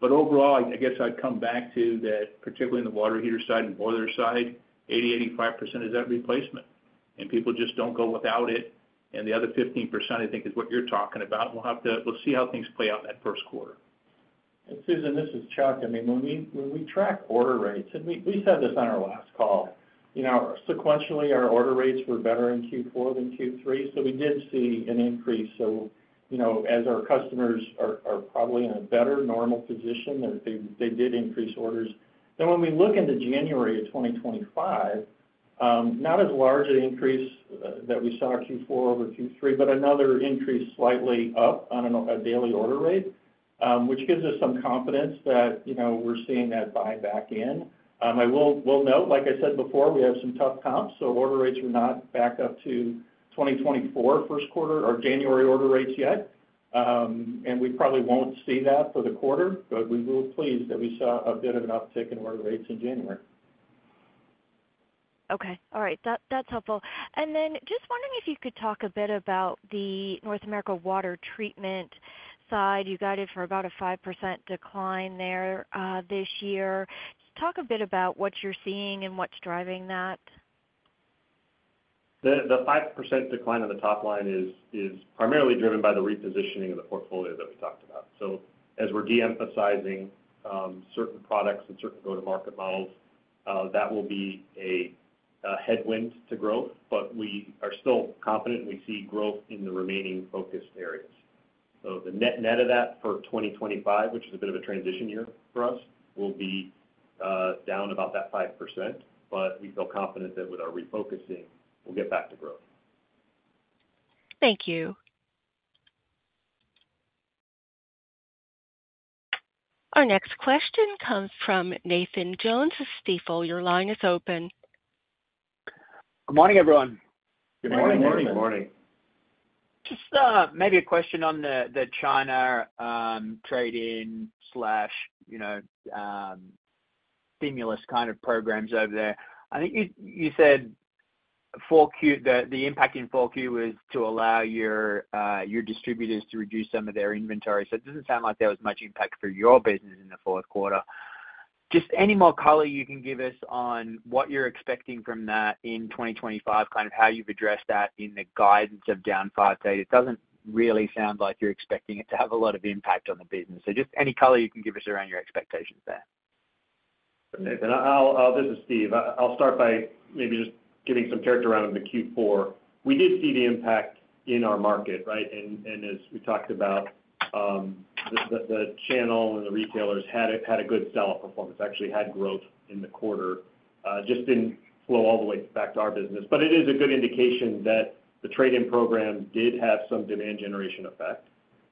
But overall, I guess I'd come back to that, particularly in the water heater side and boiler side, 80%-85% is at replacement. And people just don't go without it. And the other 15%, I think, is what you're talking about. We'll see how things play out that first quarter. Susan, this is Chuck. I mean, when we track order rates, and we said this on our last call, sequentially, our order rates were better in Q4 than Q3. So we did see an increase. So as our customers are probably in a better normal position, they did increase orders. And when we look into January of 2025, not as large an increase that we saw Q4 over Q3, but another increase slightly up on a daily order rate, which gives us some confidence that we're seeing that buyback in. I will note, like I said before, we have some tough comps. So order rates are not back up to 2024 first quarter or January order rates yet. And we probably won't see that for the quarter, but we were pleased that we saw a bit of an uptick in order rates in January. Okay. All right. That's helpful. And then just wondering if you could talk a bit about the North America water treatment side. You guided for about a 5% decline there this year. Talk a bit about what you're seeing and what's driving that. The 5% decline on the top line is primarily driven by the repositioning of the portfolio that we talked about. So as we're de-emphasizing certain products and certain go-to-market models, that will be a headwind to growth. But we are still confident, and we see growth in the remaining focused areas. So the net-net of that for 2025, which is a bit of a transition year for us, will be down about that 5%. But we feel confident that with our refocusing, we'll get back to growth. Thank you. Our next question comes from Nathan Jones of Stifel. Your line is open. Good morning, everyone. Good morning. Good morning. Morning. Just maybe a question on the China trade-in/stimulus kind of programs over there. I think you said the impact in 4Q was to allow your distributors to reduce some of their inventory. So it doesn't sound like there was much impact for your business in the fourth quarter. Just any more color you can give us on what you're expecting from that in 2025, kind of how you've addressed that in the guidance of down 5%? It doesn't really sound like you're expecting it to have a lot of impact on the business. So just any color you can give us around your expectations there? This is Steve. I'll start by maybe just giving some character around the Q4. We did see the impact in our market, right, and as we talked about, the channel and the retailers had a good sell-out performance, actually had growth in the quarter. Just didn't flow all the way back to our business, but it is a good indication that the trade-in program did have some demand generation effect.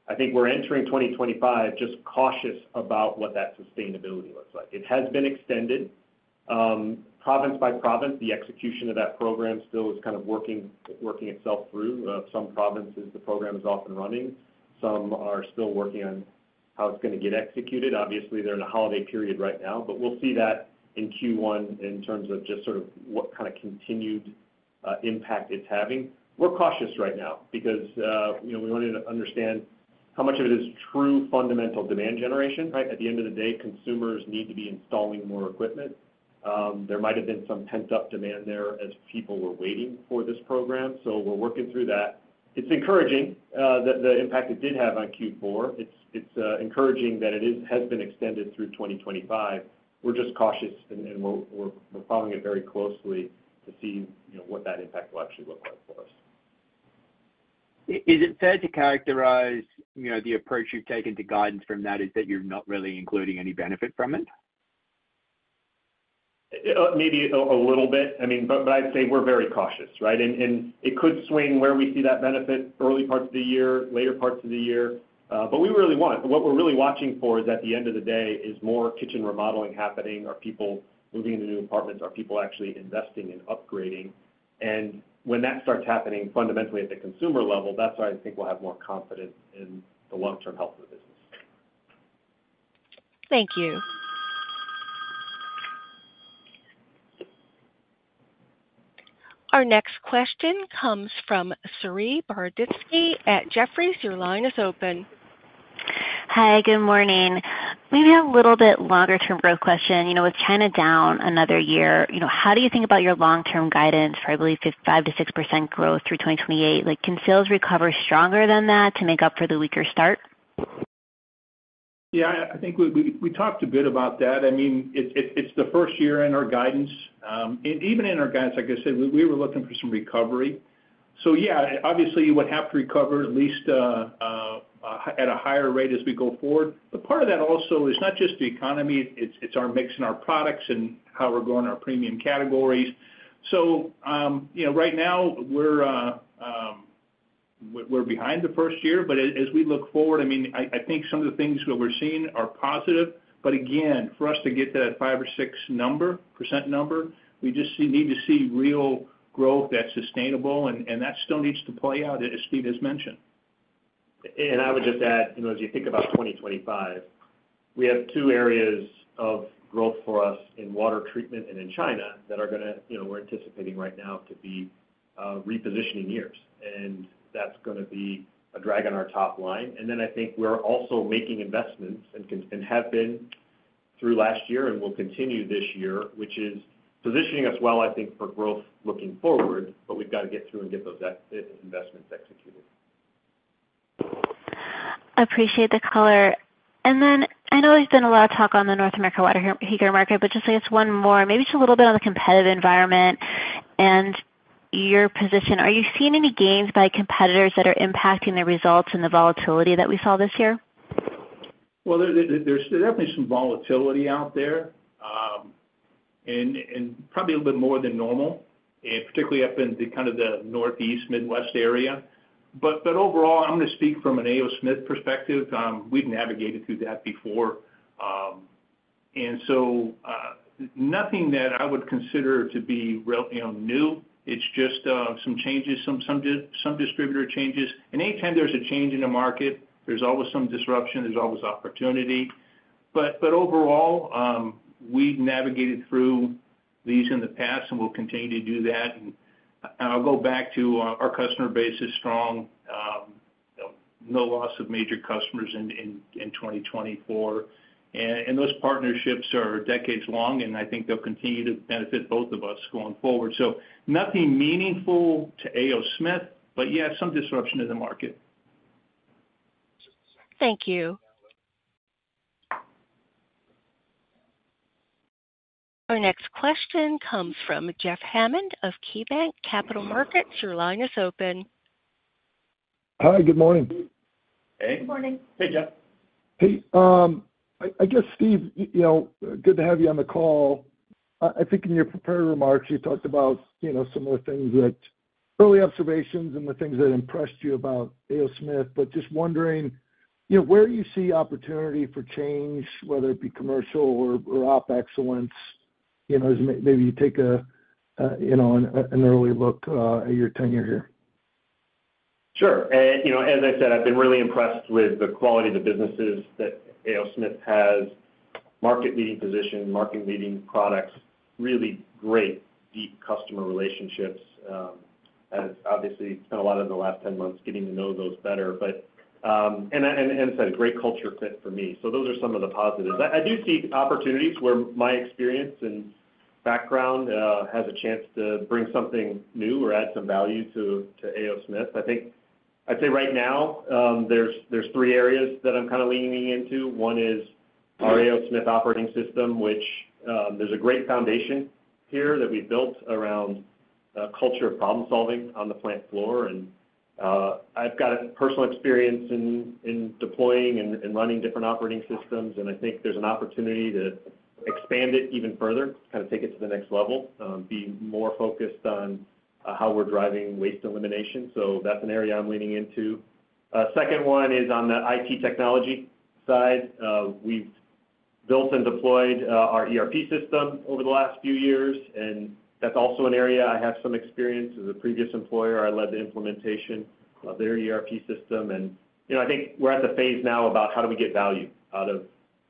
I think we're entering 2025 just cautious about what that sustainability looks like. It has been extended. Province by province, the execution of that program still is kind of working itself through. Some provinces, the program is off and running. Some are still working on how it's going to get executed. Obviously, they're in a holiday period right now, but we'll see that in Q1 in terms of just sort of what kind of continued impact it's having. We're cautious right now because we wanted to understand how much of it is true fundamental demand generation, right? At the end of the day, consumers need to be installing more equipment. There might have been some pent-up demand there as people were waiting for this program. So we're working through that. It's encouraging the impact it did have on Q4. It's encouraging that it has been extended through 2025. We're just cautious, and we're following it very closely to see what that impact will actually look like for us. Is it fair to characterize the approach you've taken to guidance from that as that you're not really including any benefit from it? Maybe a little bit. I mean, but I'd say we're very cautious, right? And it could swing where we see that benefit, early parts of the year, later parts of the year. But we really want what we're really watching for is at the end of the day, is more kitchen remodeling happening? Are people moving into new apartments? Are people actually investing in upgrading? And when that starts happening, fundamentally at the consumer level, that's where I think we'll have more confidence in the long-term health of the business. Thank you. Our next question comes from Saree Boroditsky at Jefferies. Your line is open. Hi. Good morning. Maybe a little bit longer-term growth question. With China down another year, how do you think about your long-term guidance for, I believe, 5%-6% growth through 2028? Can sales recover stronger than that to make up for the weaker start? Yeah. I think we talked a bit about that. I mean, it's the first year in our guidance. And even in our guidance, like I said, we were looking for some recovery. So yeah, obviously, we would have to recover at least at a higher rate as we go forward. But part of that also is not just the economy. It's our mix in our products and how we're going in our premium categories. So right now, we're behind the first year. But as we look forward, I mean, I think some of the things that we're seeing are positive. But again, for us to get to that 5% or 6% number, we just need to see real growth that's sustainable. And that still needs to play out, as Steve has mentioned. And I would just add, as you think about 2025, we have two areas of growth for us in water treatment and in China that are going to, we're anticipating right now, to be repositioning years. And that's going to be a drag on our top line. And then I think we're also making investments and have been through last year and will continue this year, which is positioning us well, I think, for growth looking forward. But we've got to get through and get those investments executed. I appreciate the color. And then I know there's been a lot of talk on the North America water heater market, but just I guess one more, maybe just a little bit on the competitive environment and your position. Are you seeing any gains by competitors that are impacting the results and the volatility that we saw this year? There's definitely some volatility out there and probably a little bit more than normal, particularly up in kind of the northeast, midwest area. But overall, I'm going to speak from an A. O. Smith perspective. We've navigated through that before. And so nothing that I would consider to be new. It's just some changes, some distributor changes. And anytime there's a change in the market, there's always some disruption. There's always opportunity. But overall, we've navigated through these in the past and will continue to do that. And I'll go back to our customer base is strong, no loss of major customers in 2024. And those partnerships are decades long, and I think they'll continue to benefit both of us going forward. So nothing meaningful to A. O. Smith, but yeah, some disruption in the market. Thank you. Our next question comes from Jeff Hammond of KeyBanc Capital Markets. Your line is open. Hi. Good morning. Hey. Good morning. Hey, Jeff. Hey. I guess, Steve, good to have you on the call. I think in your prepared remarks, you talked about some of the things that early observations and the things that impressed you about A. O. Smith. But just wondering where you see opportunity for change, whether it be commercial or op excellence, as maybe you take an early look at your tenure here. Sure. As I said, I've been really impressed with the quality of the businesses that A. O. Smith has, market-leading position, market-leading products, really great, deep customer relationships. Obviously, spent a lot of the last 10 months getting to know those better. And as I said, a great culture fit for me. So those are some of the positives. I do see opportunities where my experience and background has a chance to bring something new or add some value to A. O. Smith. I think I'd say right now, there's three areas that I'm kind of leaning into. One is our A. O. Smith Operating System, which there's a great foundation here that we've built around a culture of problem-solving on the plant floor. And I've got personal experience in deploying and running different operating systems. And I think there's an opportunity to expand it even further, kind of take it to the next level, be more focused on how we're driving waste elimination. So that's an area I'm leaning into. Second one is on the IT technology side. We've built and deployed our ERP system over the last few years. And that's also an area I have some experience. At a previous employer, I led the implementation of their ERP system. And I think we're at the phase now about how do we get value out of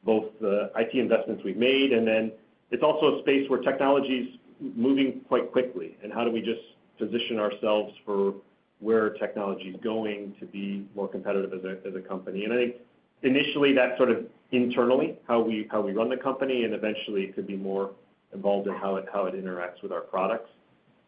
both the IT investments we've made. And then it's also a space where technology's moving quite quickly. And how do we just position ourselves for where technology's going to be more competitive as a company? And I think initially, that's sort of internally, how we run the company. And eventually, it could be more involved in how it interacts with our products.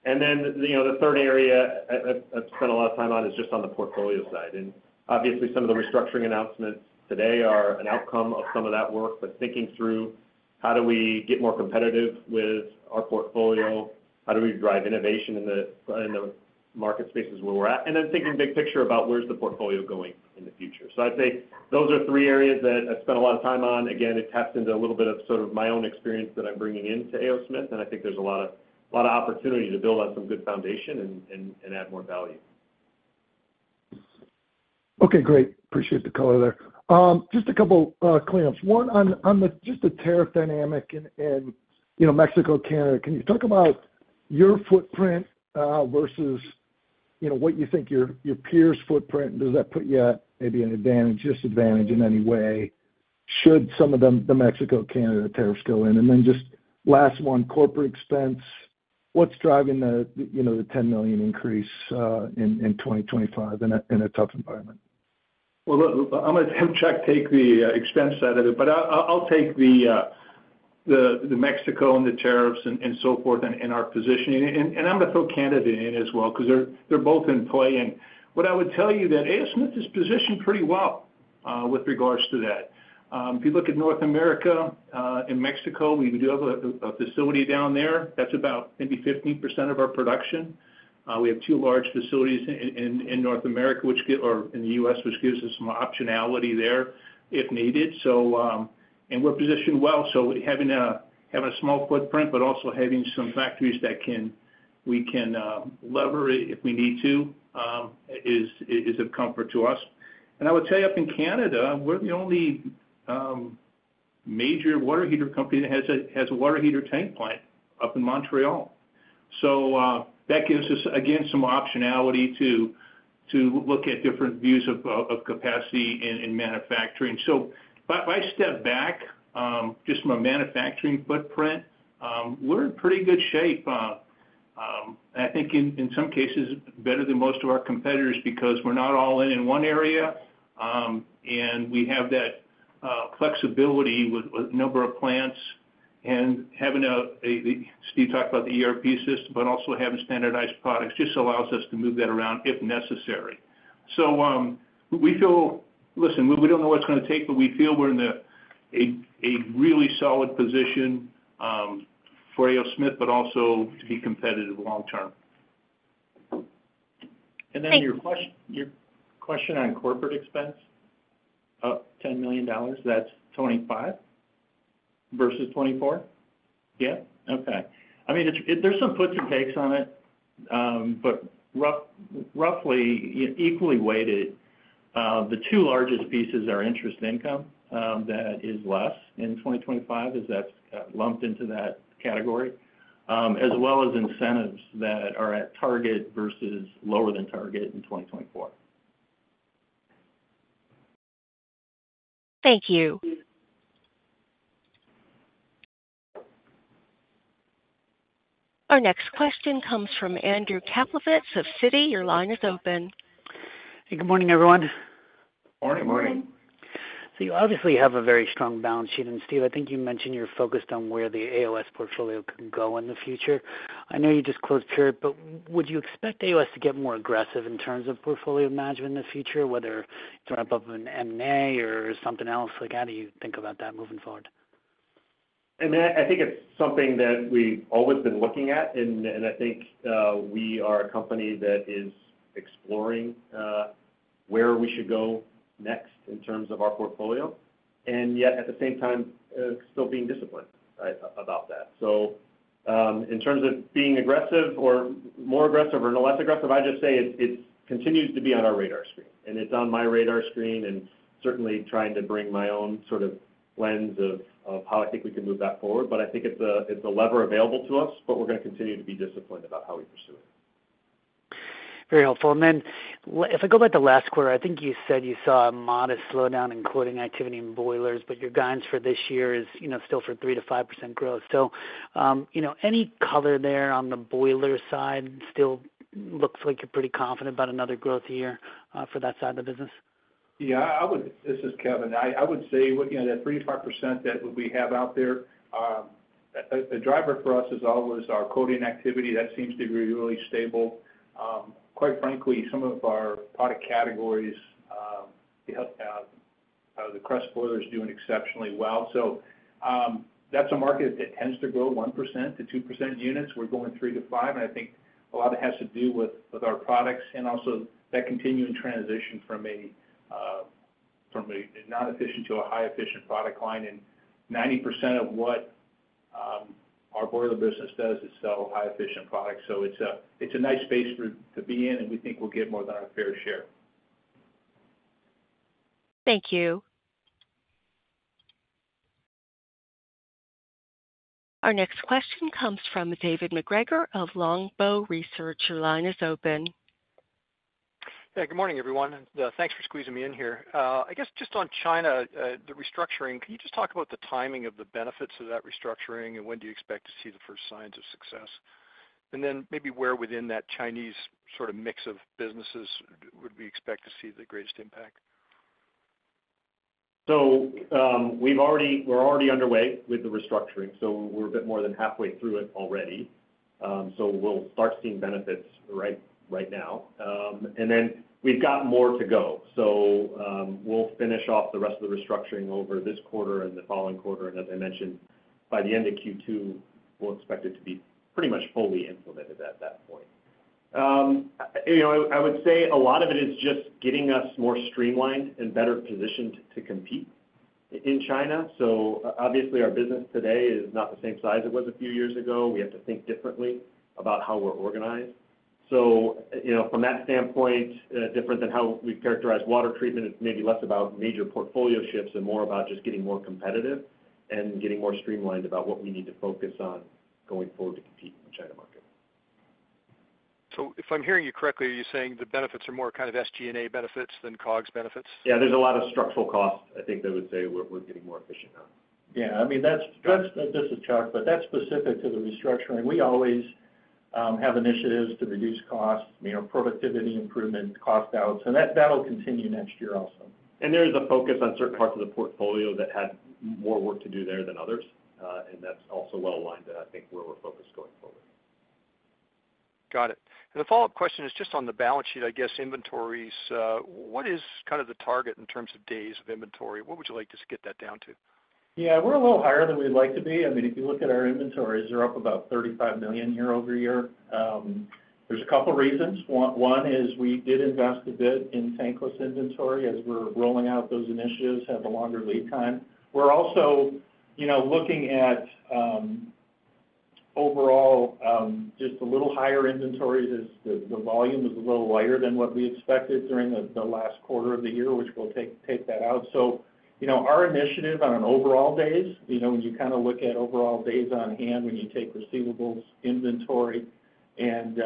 And then the third area I've spent a lot of time on is just on the portfolio side. And obviously, some of the restructuring announcements today are an outcome of some of that work, but thinking through how do we get more competitive with our portfolio, how do we drive innovation in the market spaces where we're at, and then thinking big picture about where's the portfolio going in the future. So I'd say those are three areas that I've spent a lot of time on. Again, it taps into a little bit of sort of my own experience that I'm bringing into A. O. Smith. And I think there's a lot of opportunity to build on some good foundation and add more value. Okay. Great. Appreciate the color there. Just a couple quick ones. One on just the tariff dynamic in Mexico, Canada. Can you talk about your footprint versus what you think your peers' footprint? Does that put you at maybe an advantage, disadvantage in any way should some of the Mexico, Canada tariffs go in? And then just last one, corporate expense. What's driving the $10 million increase in 2025 in a tough environment? I'm going to have Chuck take the expense side of it. But I'll take the Mexico and the tariffs and so forth and our positioning. And I'm going to throw Canada in as well because they're both in play. And what I would tell you that A. O. Smith is positioned pretty well with regards to that. If you look at North America and Mexico, we do have a facility down there. That's about maybe 15% of our production. We have two large facilities in North America or in the U.S., which gives us some optionality there if needed. And we're positioned well. So having a small footprint, but also having some factories that we can leverage if we need to is a comfort to us. And I would say up in Canada, we're the only major water heater company that has a water heater tank plant up in Montreal. So that gives us, again, some optionality to look at different views of capacity in manufacturing. So if I step back just from a manufacturing footprint, we're in pretty good shape. I think in some cases, better than most of our competitors because we're not all in in one area. And we have that flexibility with a number of plants. And Steve talked about the ERP system, but also having standardized products just allows us to move that around if necessary. So we feel, listen, we don't know what it's going to take, but we feel we're in a really solid position for A. O. Smith, but also to be competitive long-term. Then your question on corporate expense, $10 million, that's 2025 versus 2024? Yeah? Okay. I mean, there's some puts and takes on it, but roughly equally weighted, the two largest pieces are interest income that is less in 2025 as that's lumped into that category, as well as incentives that are at target versus lower than target in 2024. Thank you. Our next question comes from Andrew Kaplowitz of Citi. Your line is open. Hey. Good morning, everyone. Morning. Morning. So you obviously have a very strong balance sheet. And Steve, I think you mentioned you're focused on where the AOS portfolio could go in the future. I know you just closed period, but would you expect AOS to get more aggressive in terms of portfolio management in the future, whether it's a ramp-up of an M&A or something else? How do you think about that moving forward? And I think it's something that we've always been looking at. And I think we are a company that is exploring where we should go next in terms of our portfolio, and yet at the same time, still being disciplined about that. So in terms of being aggressive or more aggressive or no less aggressive, I just say it continues to be on our radar screen. And it's on my radar screen and certainly trying to bring my own sort of lens of how I think we can move that forward. But I think it's a lever available to us, but we're going to continue to be disciplined about how we pursue it. Very helpful. And then if I go back to last quarter, I think you said you saw a modest slowdown in cooling activity in boilers, but your guidance for this year is still for 3%-5% growth. So any color there on the boiler side still looks like you're pretty confident about another growth year for that side of the business? Yeah. This is Kevin. I would say that 3%-5% that we have out there, a driver for us is always our quoting activity. That seems to be really stable. Quite frankly, some of our product categories, the Crest boilers doing exceptionally well. So that's a market that tends to grow 1%-2% units. We're going 3%-5%. And I think a lot of it has to do with our products and also that continuing transition from a non-efficient to a high-efficient product line. And 90% of what our boiler business does is sell high-efficient products. So it's a nice space to be in, and we think we'll get more than our fair share. Thank you. Our next question comes from David MacGregor of Longbow Research. Your line is open. Hey. Good morning, everyone. Thanks for squeezing me in here. I guess just on China, the restructuring, can you just talk about the timing of the benefits of that restructuring and when do you expect to see the first signs of success? And then maybe where within that Chinese sort of mix of businesses would we expect to see the greatest impact? So we're already underway with the restructuring. So we're a bit more than halfway through it already. So we'll start seeing benefits right now. And then we've got more to go. So we'll finish off the rest of the restructuring over this quarter and the following quarter. And as I mentioned, by the end of Q2, we'll expect it to be pretty much fully implemented at that point. I would say a lot of it is just getting us more streamlined and better positioned to compete in China. So obviously, our business today is not the same size it was a few years ago. We have to think differently about how we're organized. So from that standpoint, different than how we've characterized water treatment, it's maybe less about major portfolio shifts and more about just getting more competitive and getting more streamlined about what we need to focus on going forward to compete in the China market. So if I'm hearing you correctly, are you saying the benefits are more kind of SG&A benefits than COGS benefits? Yeah. There's a lot of structural costs, I think, that would say we're getting more efficient now. Yeah. I mean, this is Chuck, but that's specific to the restructuring. We always have initiatives to reduce costs, productivity improvement, cost balance. And that'll continue next year also. And there is a focus on certain parts of the portfolio that had more work to do there than others. And that's also well aligned to, I think, where we're focused going forward. Got it. And the follow-up question is just on the balance sheet, I guess, inventories. What is kind of the target in terms of days of inventory? What would you like to get that down to? Yeah. We're a little higher than we'd like to be. I mean, if you look at our inventories, they're up about $35 million year over year. There's a couple of reasons. One is we did invest a bit in tankless inventory as we're rolling out those initiatives, have a longer lead time. We're also looking at overall just a little higher inventories as the volume is a little lighter than what we expected during the last quarter of the year, which we'll take that out. So our initiative on overall days, when you kind of look at overall days on hand when you take receivables, inventory, and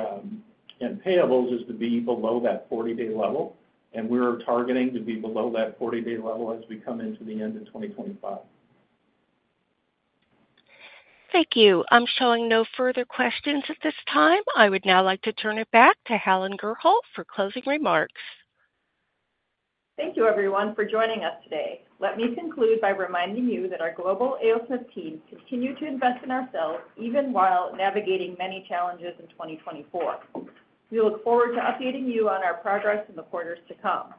payables is to be below that 40-day level, and we're targeting to be below that 40-day level as we come into the end of 2025. Thank you. I'm showing no further questions at this time. I would now like to turn it back to Helen Gurholt for closing remarks. Thank you, everyone, for joining us today. Let me conclude by reminding you that our global AOS team continues to invest in ourselves even while navigating many challenges in 2024. We look forward to updating you on our progress in the quarters to come.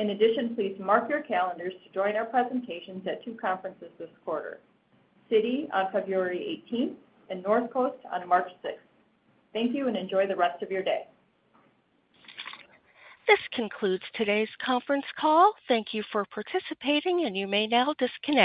In addition, please mark your calendars to join our presentations at two conferences this quarter: Citi on February 18th and Northcoast on March 6th. Thank you and enjoy the rest of your day. This concludes today's conference call. Thank you for participating, and you may now disconnect.